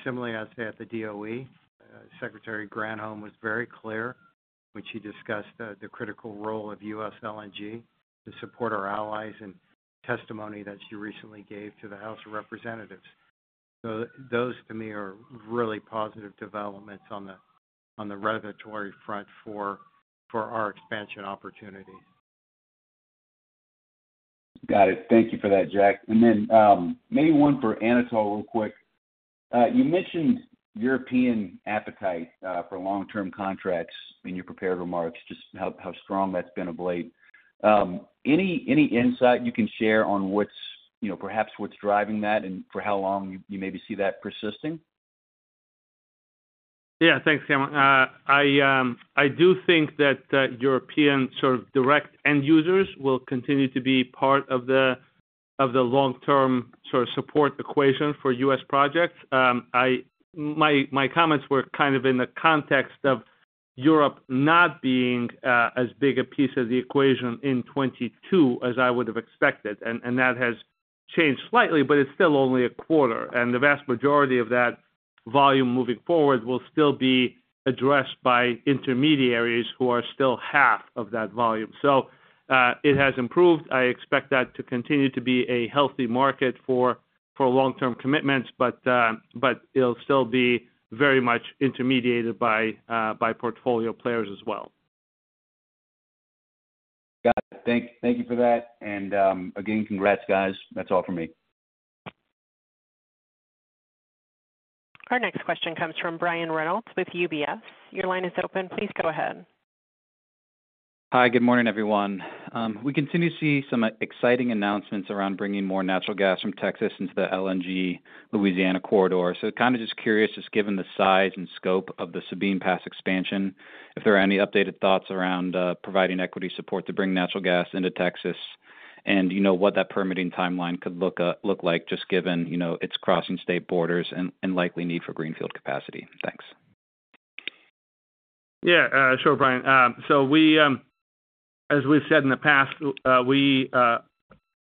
Similarly, I'd say at the DOE, Secretary Granholm was very clear when she discussed the critical role of U.S. LNG to support our allies and testimony that she recently gave to the House of Representatives. Those to me are really positive developments on the, on the regulatory front for, for our expansion opportunities.
Got it. Thank you for that, Jack. Then, maybe one for Anatol real quick. You mentioned European appetite for long-term contracts in your prepared remarks, just how, how strong that's been of late. Any, any insight you can share on what's, you know, perhaps what's driving that and for how long you, you maybe see that persisting?
Yeah, thanks, Cameron. I do think that European sort of direct end users will continue to be part of the long-term sort of support equation for U.S. projects. My comments were kind of in the context of Europe not being as big a piece of the equation in 22 as I would have expected, and that has changed slightly, but it's still only a quarter. The vast majority of that volume moving forward will still be addressed by intermediaries who are still half of that volume. It has improved. I expect that to continue to be a healthy market for, for long-term commitments, but it'll still be very much intermediated by portfolio players as well.
Got it. Thank you for that. Again, congrats, guys. That's all for me.
Our next question comes from Brian Reynolds with UBS. Your line is open. Please go ahead.
Hi, good morning, everyone. We continue to see some exciting announcements around bringing more natural gas from Texas into the LNG Louisiana corridor. Kind of just curious, just given the size and scope of the Sabine Pass Expansion, if there are any updated thoughts around providing equity support to bring natural gas into Texas, and, you know, what that permitting timeline could look, look like, just given, you know, it's crossing state borders and, and likely need for greenfield capacity. Thanks.
Yeah, sure, Brian. We, as we've said in the past, we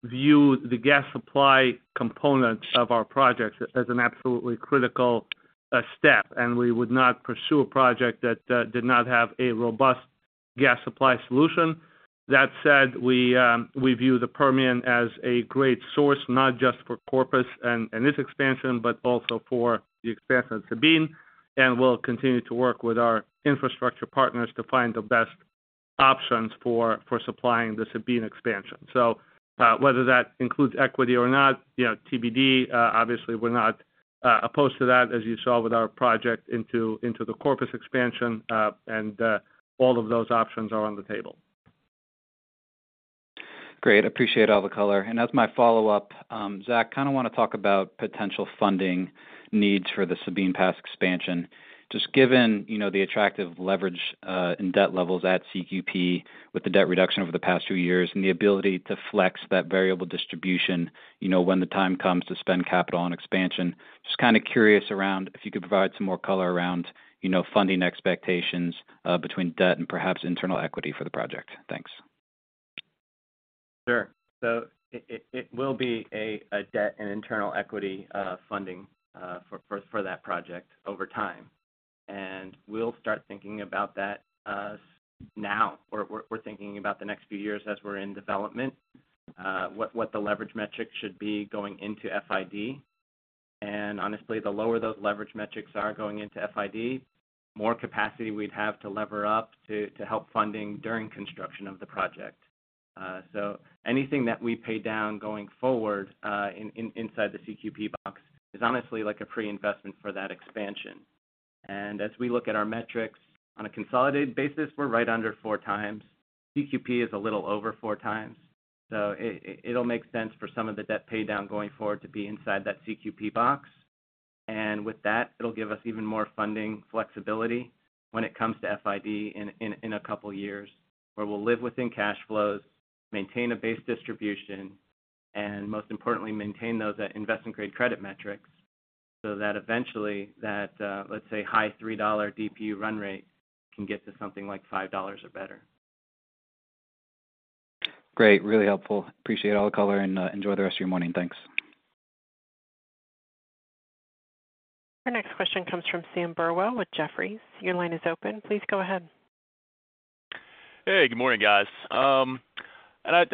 view the gas supply component of our projects as an absolutely critical step, and we would not pursue a project that did not have a robust gas supply solution. That said, we view the Permian as a great source, not just for Corpus and, and this expansion, but also for the expansion of Sabine, and we'll continue to work with our infrastructure partners to find the best options for, for supplying the Sabine expansion. Whether that includes equity or not, you know, TBD, obviously we're not opposed to that, as you saw with our project into, into the Corpus expansion. All of those options are on the table.
Great. Appreciate all the color. As my follow-up, Zach, kind of want to talk about potential funding needs for the Sabine Pass expansion. Just given, you know, the attractive leverage in debt levels at CQP with the debt reduction over the past few years and the ability to flex that variable distribution, you know, when the time comes to spend capital on expansion. Just kind of curious around if you could provide some more color around, you know, funding expectations between debt and perhaps internal equity for the project. Thanks.
Sure. It, it, it will be a, a debt and internal equity funding for, for, for that project over time. We'll start thinking about that now. We're, we're thinking about the next few years as we're in development, what, what the leverage metrics should be going into FID. Honestly, the lower those leverage metrics are going into FID, more capacity we'd have to lever up to, to help funding during construction of the project. Anything that we pay down going forward in, in, inside the CQP box is honestly like a pre-investment for that expansion. As we look at our metrics on a consolidated basis, we're right under four times. CQP is a little over four times, it, it, it'll make sense for some of the debt pay down going forward to be inside that CQP box. With that, it'll give us even more funding flexibility when it comes to FID in, in, in a couple of years, where we'll live within cash flows, maintain a base distribution, and most importantly, maintain those investment-grade credit metrics, so that eventually that, let's say, high $3 DPU run rate can get to something like $5 or better.
Great, really helpful. Appreciate all the color and, enjoy the rest of your morning. Thanks.
Our next question comes from Sam Burwell with Jefferies. Your line is open. Please go ahead.
Hey, good morning, guys. I know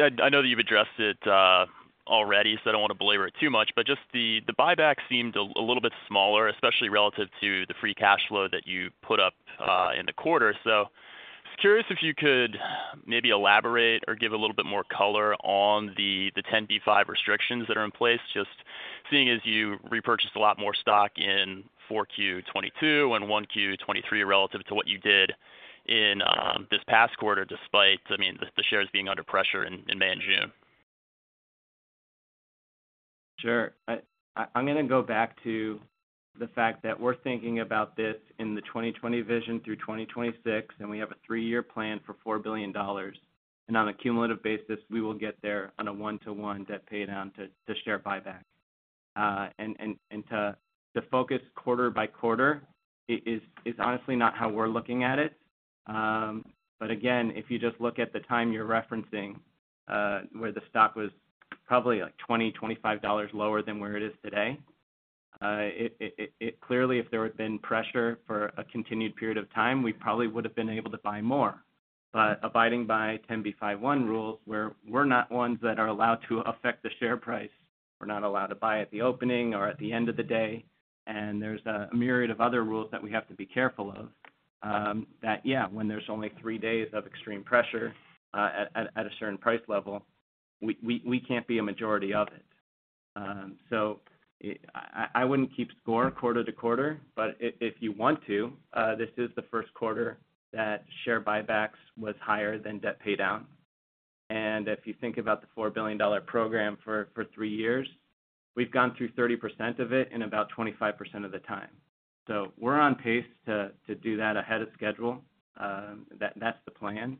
that you've addressed it already, so I don't want to belabor it too much, but just the buyback seemed a little bit smaller, especially relative to the free cash flow that you put up in the quarter. Just curious if you could maybe elaborate or give a little bit more color on the 10b5-1 restrictions that are in place, just seeing as you repurchased a lot more stock in 4Q 2022 and 1Q 2023 relative to what you did in this past quarter, despite the shares being under pressure in May and June.
Sure. I, I'm gonna go back to the fact that we're thinking about this in the 2020 Vision through 2026, and we have a three-year plan for $4 billion. On a cumulative basis, we will get there on a 1-to-1 debt paydown to, to share buyback. To focus quarter by quarter is, is honestly not how we're looking at it. Again, if you just look at the time you're referencing, where the stock was probably like $20-$25 lower than where it is today, it clearly, if there had been pressure for a continued period of time, we probably would have been able to buy more. Abiding by Rule 10b5-1, where we're not ones that are allowed to affect the share price. We're not allowed to buy at the opening or at the end of the day, there's a myriad of other rules that we have to be careful of, that, yeah, when there's only three days of extreme pressure, at a certain price level, we can't be a majority of it. I wouldn't keep score quarter-to-quarter, but if you want to, this is the 1st quarter that share buybacks was higher than debt paydown. If you think about the $4 billion program for three years, we've gone through 30% of it in about 25% of the time. We're on pace to do that ahead of schedule. That's the plan.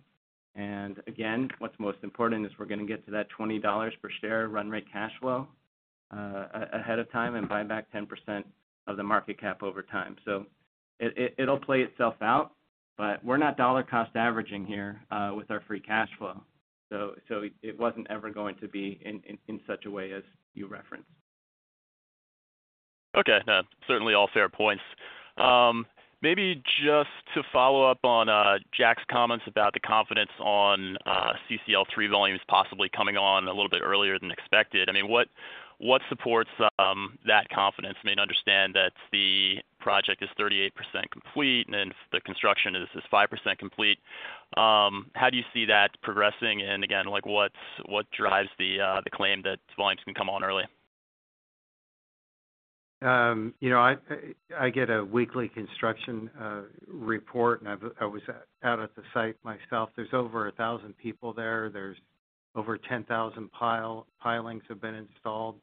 Again, what's most important is we're gonna get to that $20 per share run rate cash flow ahead of time and buy back 10% of the market cap over time. It, it, it'll play itself out, but we're not dollar cost averaging here with our free cash flow. It wasn't ever going to be in, in, in such a way as you referenced.
Okay. certainly all fair points. maybe just to follow up on Jack's comments about the confidence on CCL 3 volumes possibly coming on a little bit earlier than expected. I mean, what, what supports that confidence? I mean, understand that the project is 38% complete, and the construction is, is 5% complete. how do you see that progressing? Again, like, what's what drives the claim that volumes can come on early?
You know, I, I get a weekly construction report, and I've, I was out at the site myself. There's over 1,000 people there. There's over 10,000 pile, pilings have been installed.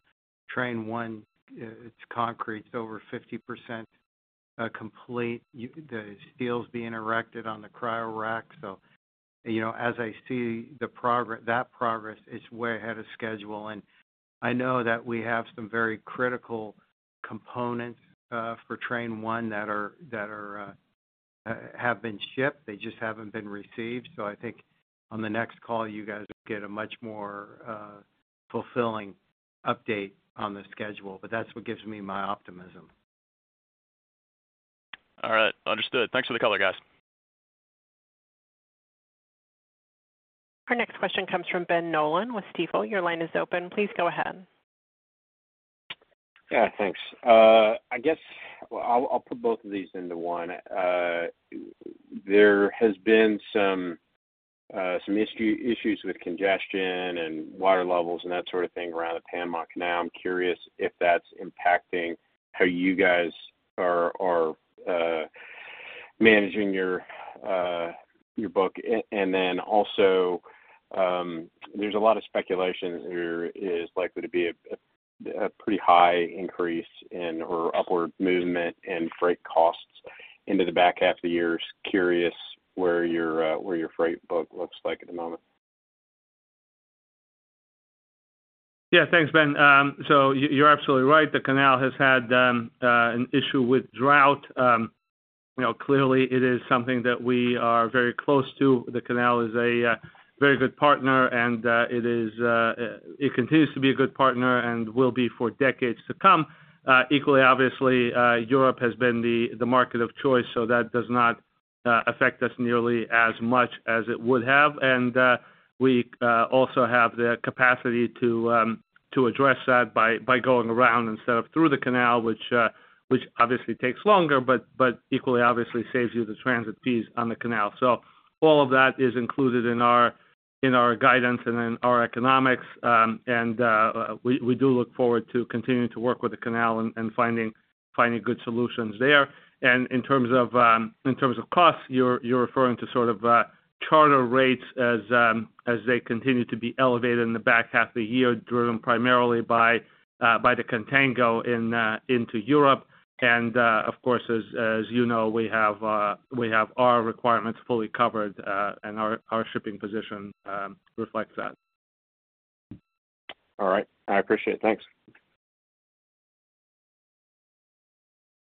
Train 1, it's concrete, over 50% complete. The steels being erected on the cryo rack. You know, as I see the progress, that progress, it's way ahead of schedule. I know that we have some very critical components for Train One that are, that are, have been shipped. They just haven't been received. I think on the next call, you guys will get a much more fulfilling update on the schedule. That's what gives me my optimism.
All right. Understood. Thanks for the color, guys.
Our next question comes from Ben Nolan with Stifel. Your line is open. Please go ahead.
Yeah, thanks. I guess I'll, I'll put both of these into one. There has been some, some issue, issues with congestion and water levels and that sort of thing around the Panama Canal. I'm curious if that's impacting how you guys are, are, managing your, your book. And then also, there's a lot of speculation there is likely to be a, a pretty high increase in or upward movement in freight costs into the back half of the year. Just curious where your, where your freight book looks like at the moment.
Yeah, thanks, Ben. You, you're absolutely right. The canal has had an issue with drought. You know, clearly it is something that we are very close to. The canal is a very good partner, it is it continues to be a good partner and will be for decades to come. Equally, obviously, Europe has been the market of choice, that does not affect us nearly as much as it would have. We also have the capacity to address that by going around instead of through the canal, which obviously takes longer, but equally obviously saves you the transit fees on the canal. All of that is included in our guidance and in our economics. We, we do look forward to continuing to work with the canal and, and finding, finding good solutions there. In terms of, in terms of costs, you're, you're referring to sort of charter rates as they continue to be elevated in the back half of the year, driven primarily by the contango into Europe. Of course, as, as you know, we have our requirements fully covered, and our, our shipping position reflects that.
All right. I appreciate it. Thanks.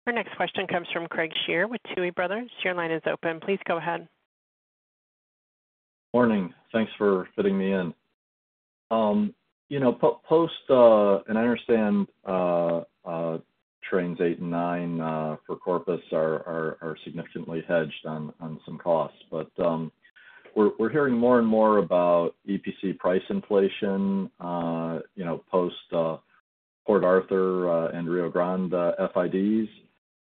Our next question comes from Craig Shere with Tuohy Brothers. Your line is open. Please go ahead.
Morning. Thanks for fitting me in. Um, you know, po- post, uh, and I understand, uh, uh, Trains Eight and Nine, uh, for Corpus are, are, are significantly hedged on, on some costs. But, um, we're, we're hearing more and more about EPC price inflation, uh, you know, post, uh, Port Arthur, uh, and Rio Grande FIDs.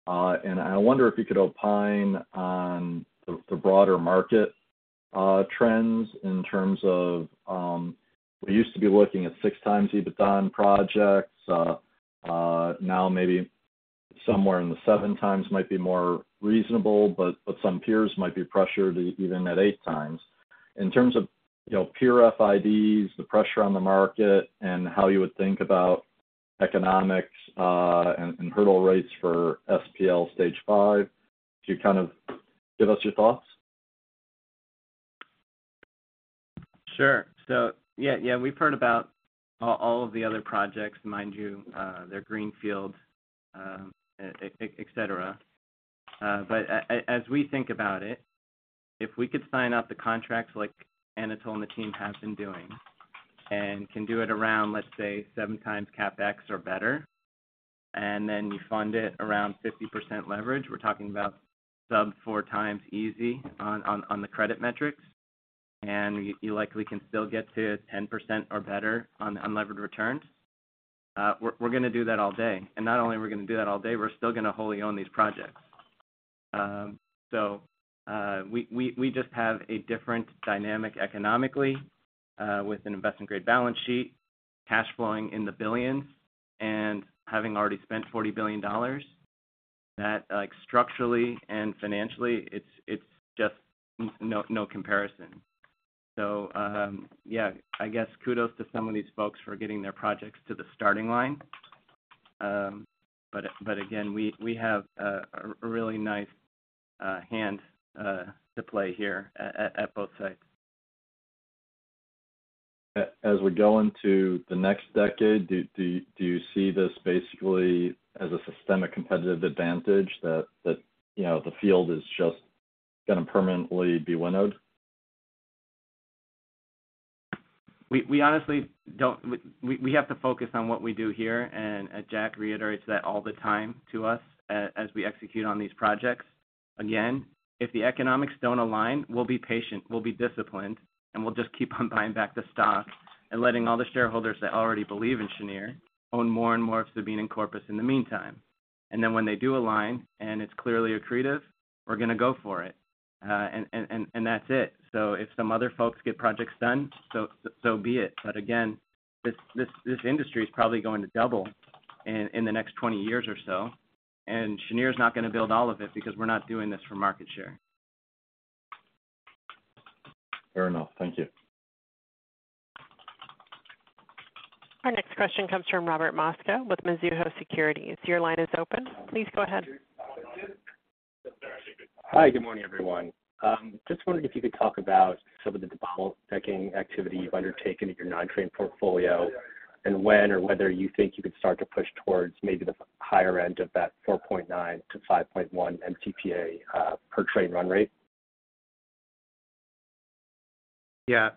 Uh, and I wonder if you could opine on the, the broader market, uh, trends in terms of, um, we used to be looking at 6x EBITDA on projects. Uh, uh, now maybe somewhere in the seven times might be more reasonable, but, but some peers might be pressured even at eight times. In terms of, you know, pure FIDs, the pressure on the market and how you would think about economics, uh, and, and hurdle rates for SPL Stage Five, could you kind of give us your thoughts? Sure.
Yeah, yeah, we've heard about all, all of the other projects. Mind you, they're greenfield, as we think about it, if we could sign up the contracts like Anatol and the team have been doing, and can do it around, let's say, 7x CapEx or better, and then you fund it around 50% leverage. We're talking about sub 4x easy on, on, on the credit metrics, and you, you likely can still get to 10% or better on unlevered returns. We're, we're gonna do that all day. Not only are we gonna do that all day, we're still gonna wholly own these projects. We, we, we just have a different dynamic economically, with an investment-grade balance sheet, cash flowing in the billions, and having already spent $40 billion, that like, structurally and financially, it's, it's just no, no comparison. Yeah, I guess kudos to some of these folks for getting their projects to the starting line. But again, we have a really nice hand to play here at both sites.
As we go into the next decade, do you see this basically as a systemic competitive advantage that, you know, the field is just gonna permanently be winnowed?
We have to focus on what we do here, and Jack reiterates that all the time to us as we execute on these projects. Again, if the economics don't align, we'll be patient, we'll be disciplined, and we'll just keep on buying back the stock and letting all the shareholders that already believe in Cheniere own more and more of Sabine and Corpus in the meantime. Then when they do align, and it's clearly accretive, we're gonna go for it. And that's it. If some other folks get projects done, so be it. Again, this industry is probably going to double in the next 20 years or so, and Cheniere is not gonna build all of it, because we're not doing this for market share.
Fair enough. Thank you.
Our next question comes from Robert Mosca with Mizuho Securities. Your line is open. Please go ahead.
Hi, good morning, everyone. just wondering if you could talk about some of the bottlenecking activity you've undertaken in your non-train portfolio, and when or whether you think you could start to push towards maybe the higher end of that 4.9-5.1 MTPA per train run rate.
Yeah.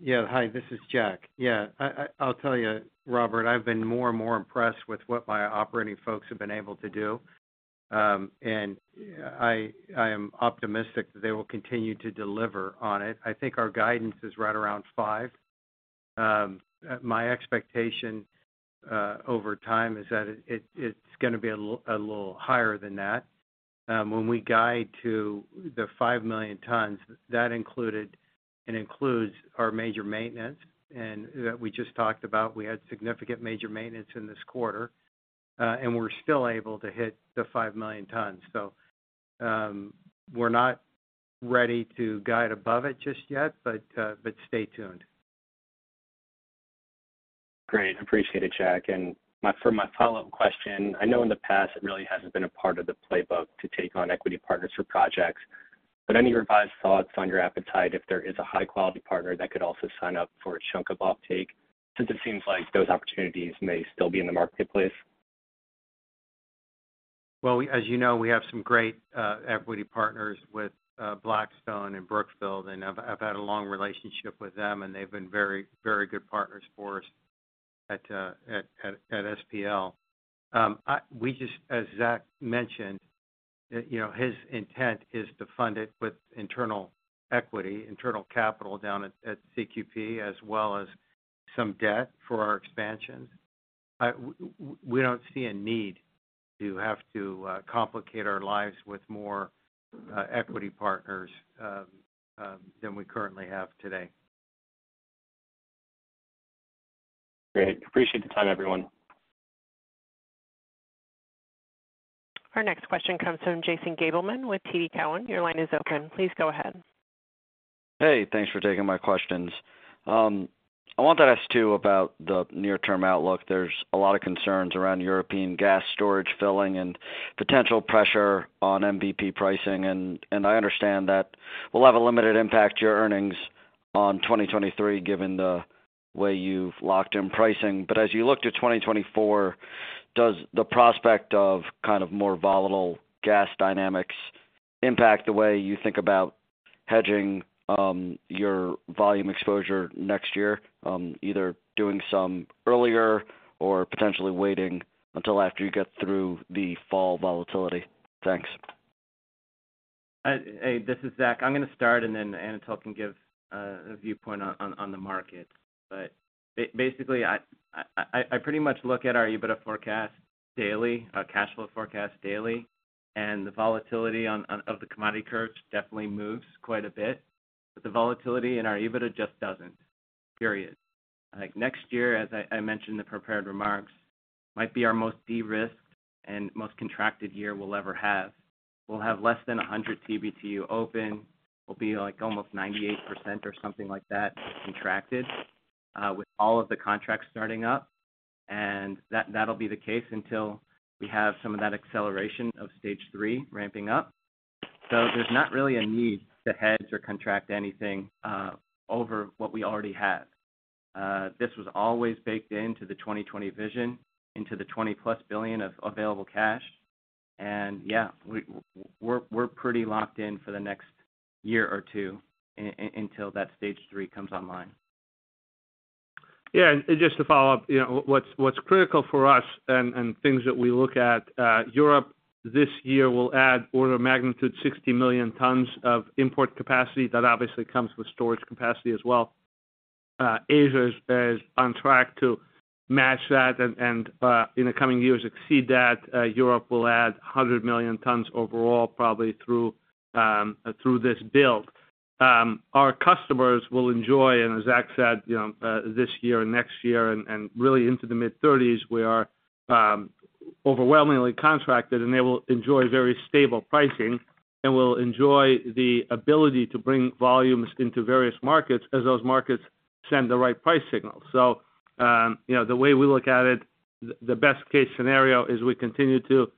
Yeah. Hi, this is Jack. Yeah, I, I, I'll tell you, Robert, I've been more and more impressed with what my operating folks have been able to do. I, I am optimistic that they will continue to deliver on it. I think our guidance is right around 5. My expectation over time is that it, it's gonna be a little, a little higher than that. When we guide to the 5 million tons, that included and includes our major maintenance, and we just talked about, we had significant major maintenance in this quarter, and we're still able to hit the 5 million tons. We're not ready to guide above it just yet, but, but stay tuned.
Great. Appreciate it, Jack. For my follow-up question, I know in the past, it really hasn't been a part of the playbook to take on equity partners for projects, but any revised thoughts on your appetite if there is a high-quality partner that could also sign up for a chunk of offtake, since it seems like those opportunities may still be in the marketplace?
Well, as you know, we have some great equity partners with Blackstone and Brookfield, and I've had a long relationship with them, and they've been very, very good partners for us at SPL. We just, as Zach mentioned, that, you know, his intent is to fund it with internal equity, internal capital down at CQP, as well as some debt for our expansion. We don't see a need to have to complicate our lives with more equity partners than we currently have today.
Great. Appreciate the time, everyone.
Our next question comes from Jason Gabelman with TD Cowen. Your line is open. Please go ahead.
Hey, thanks for taking my questions. I wanted to ask, too, about the near-term outlook. There's a lot of concerns around European gas storage filling and potential pressure on MVP pricing, and I understand that will have a limited impact to your earnings on 2023, given the way you've locked in pricing. As you look to 2024, does the prospect of kind of more volatile gas dynamics impact the way you think about hedging your volume exposure next year? Either doing some earlier or potentially waiting until after you get through the fall volatility. Thanks.
Hey, this is Zach. I'm gonna start, and then Anatol can give a viewpoint on, on the market. Basically, I, I, I pretty much look at our EBITDA forecast daily, our cash flow forecast daily, and the volatility of the commodity curves definitely moves quite a bit, but the volatility in our EBITDA just doesn't, period. Like, next year, as I mentioned in the prepared remarks, might be our most de-risked and most contracted year we'll ever have. We'll have less than 100 TBtu open. We'll be, like, almost 98% or something like that, contracted with all of the contracts starting up, and that, that'll be the case until we have some of that acceleration of Stage 3 ramping up. There's not really a need to hedge or contract anything over what we already have. This was always baked into the 2020 Vision, into the $20+ billion of available cash, yeah, we're, we're pretty locked in for the next year or two until that Stage 3 comes online.
Yeah, just to follow up, you know, what's, what's critical for us and, and things that we look at, Europe this year will add order of magnitude, 60 million tons of import capacity. That obviously comes with storage capacity as well. Asia is, is on track to match that and, in the coming years, exceed that. Europe will add 100 million tons overall, probably through, through this build. Our customers will enjoy, and as Zach said, you know, this year and next year and, and really into the mid-thirties, we are overwhelmingly contracted, and they will enjoy very stable pricing, and will enjoy the ability to bring volumes into various markets as those markets send the right price signal. You know, the way we look at it, the best case scenario is we continue to,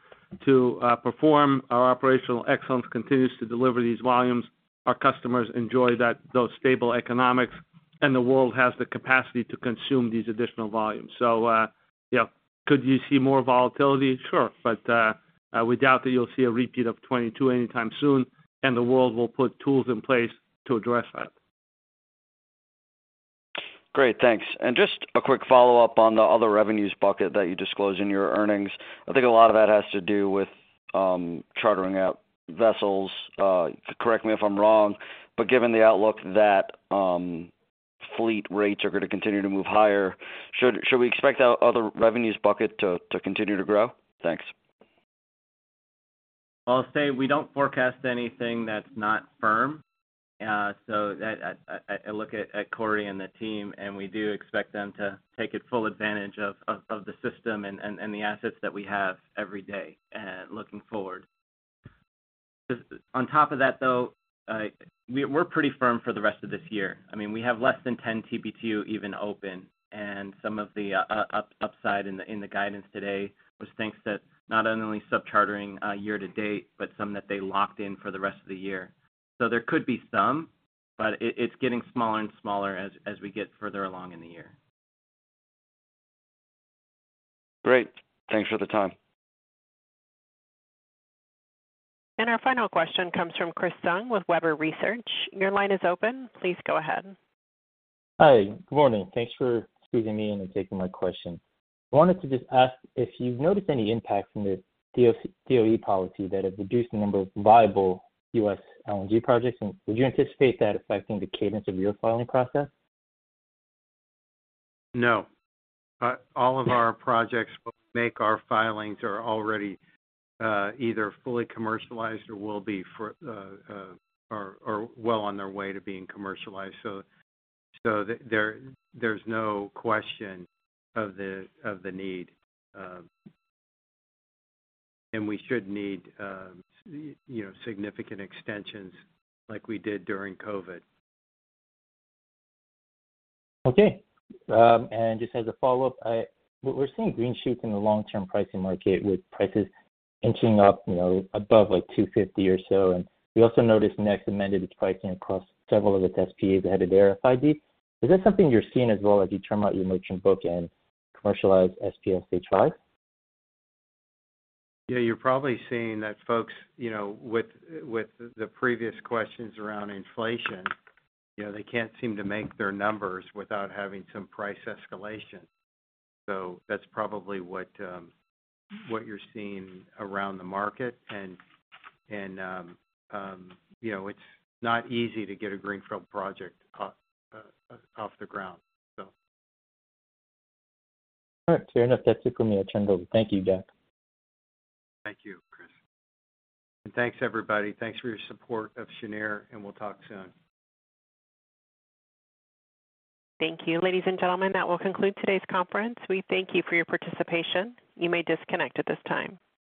to perform. Our operational excellence continues to deliver these volumes. Our customers enjoy those stable economics, and the world has the capacity to consume these additional volumes. Yeah, could you see more volatility? Sure. We doubt that you'll see a repeat of 2022 anytime soon, and the world will put tools in place to address that.
Great, thanks. Just a quick follow-up on the other revenues bucket that you disclosed in your earnings. I think a lot of that has to do with chartering out vessels. Correct me if I'm wrong, given the outlook that fleet rates are going to continue to move higher, should we expect our other revenues bucket to continue to grow? Thanks.
forecast anything that's not firm. I look at Corey and the team, and we do expect them to take full advantage of the system and the assets that we have every day, looking forward. On top of that, though, we're pretty firm for the rest of this year. I mean, we have less than 10 TBtu even open, and some of the upside in the guidance today was thanks to not only subchartering year to date, but some that they locked in for the rest of the year. So there could be some, but it's getting smaller and smaller as we get further along in the year
Great. Thanks for the time.
Our final question comes from Chris Tsung with Webber Research. Your line is open. Please go ahead.
Hi. Good morning. Thanks for squeezing me in and taking my question. I wanted to just ask if you've noticed any impact from the DOE policy that have reduced the number of viable U.S. LNG projects, and would you anticipate that affecting the cadence of your filing process?
No. All of our projects make our filings are already either fully commercialized or will be for or well on their way to being commercialized. There, there's no question of the of the need, and we should need, you know, significant extensions like we did during COVID.
Okay. Just as a follow-up, we're seeing green shoots in the long-term pricing market, with prices inching up, you know, above, like, $2.50 or so. We also noticed next amended pricing across several of its SPAs ahead of their FID. Is that something you're seeing as well as you term out your merchant book and commercialize SPL Stage 5?
Yeah, you're probably seeing that folks, you know, with, with the previous questions around inflation, you know, they can't seem to make their numbers without having some price escalation. That's probably what you're seeing around the market. You know, it's not easy to get a greenfield project off the ground, so.
All right. Fair enough. That's it for me. I turn it over. Thank you, Jack.
Thank you, Chris. Thanks, everybody. Thanks for your support of Cheniere, and we'll talk soon.
Thank you. Ladies and gentlemen, that will conclude today's conference. We thank you for your participation. You may disconnect at this time.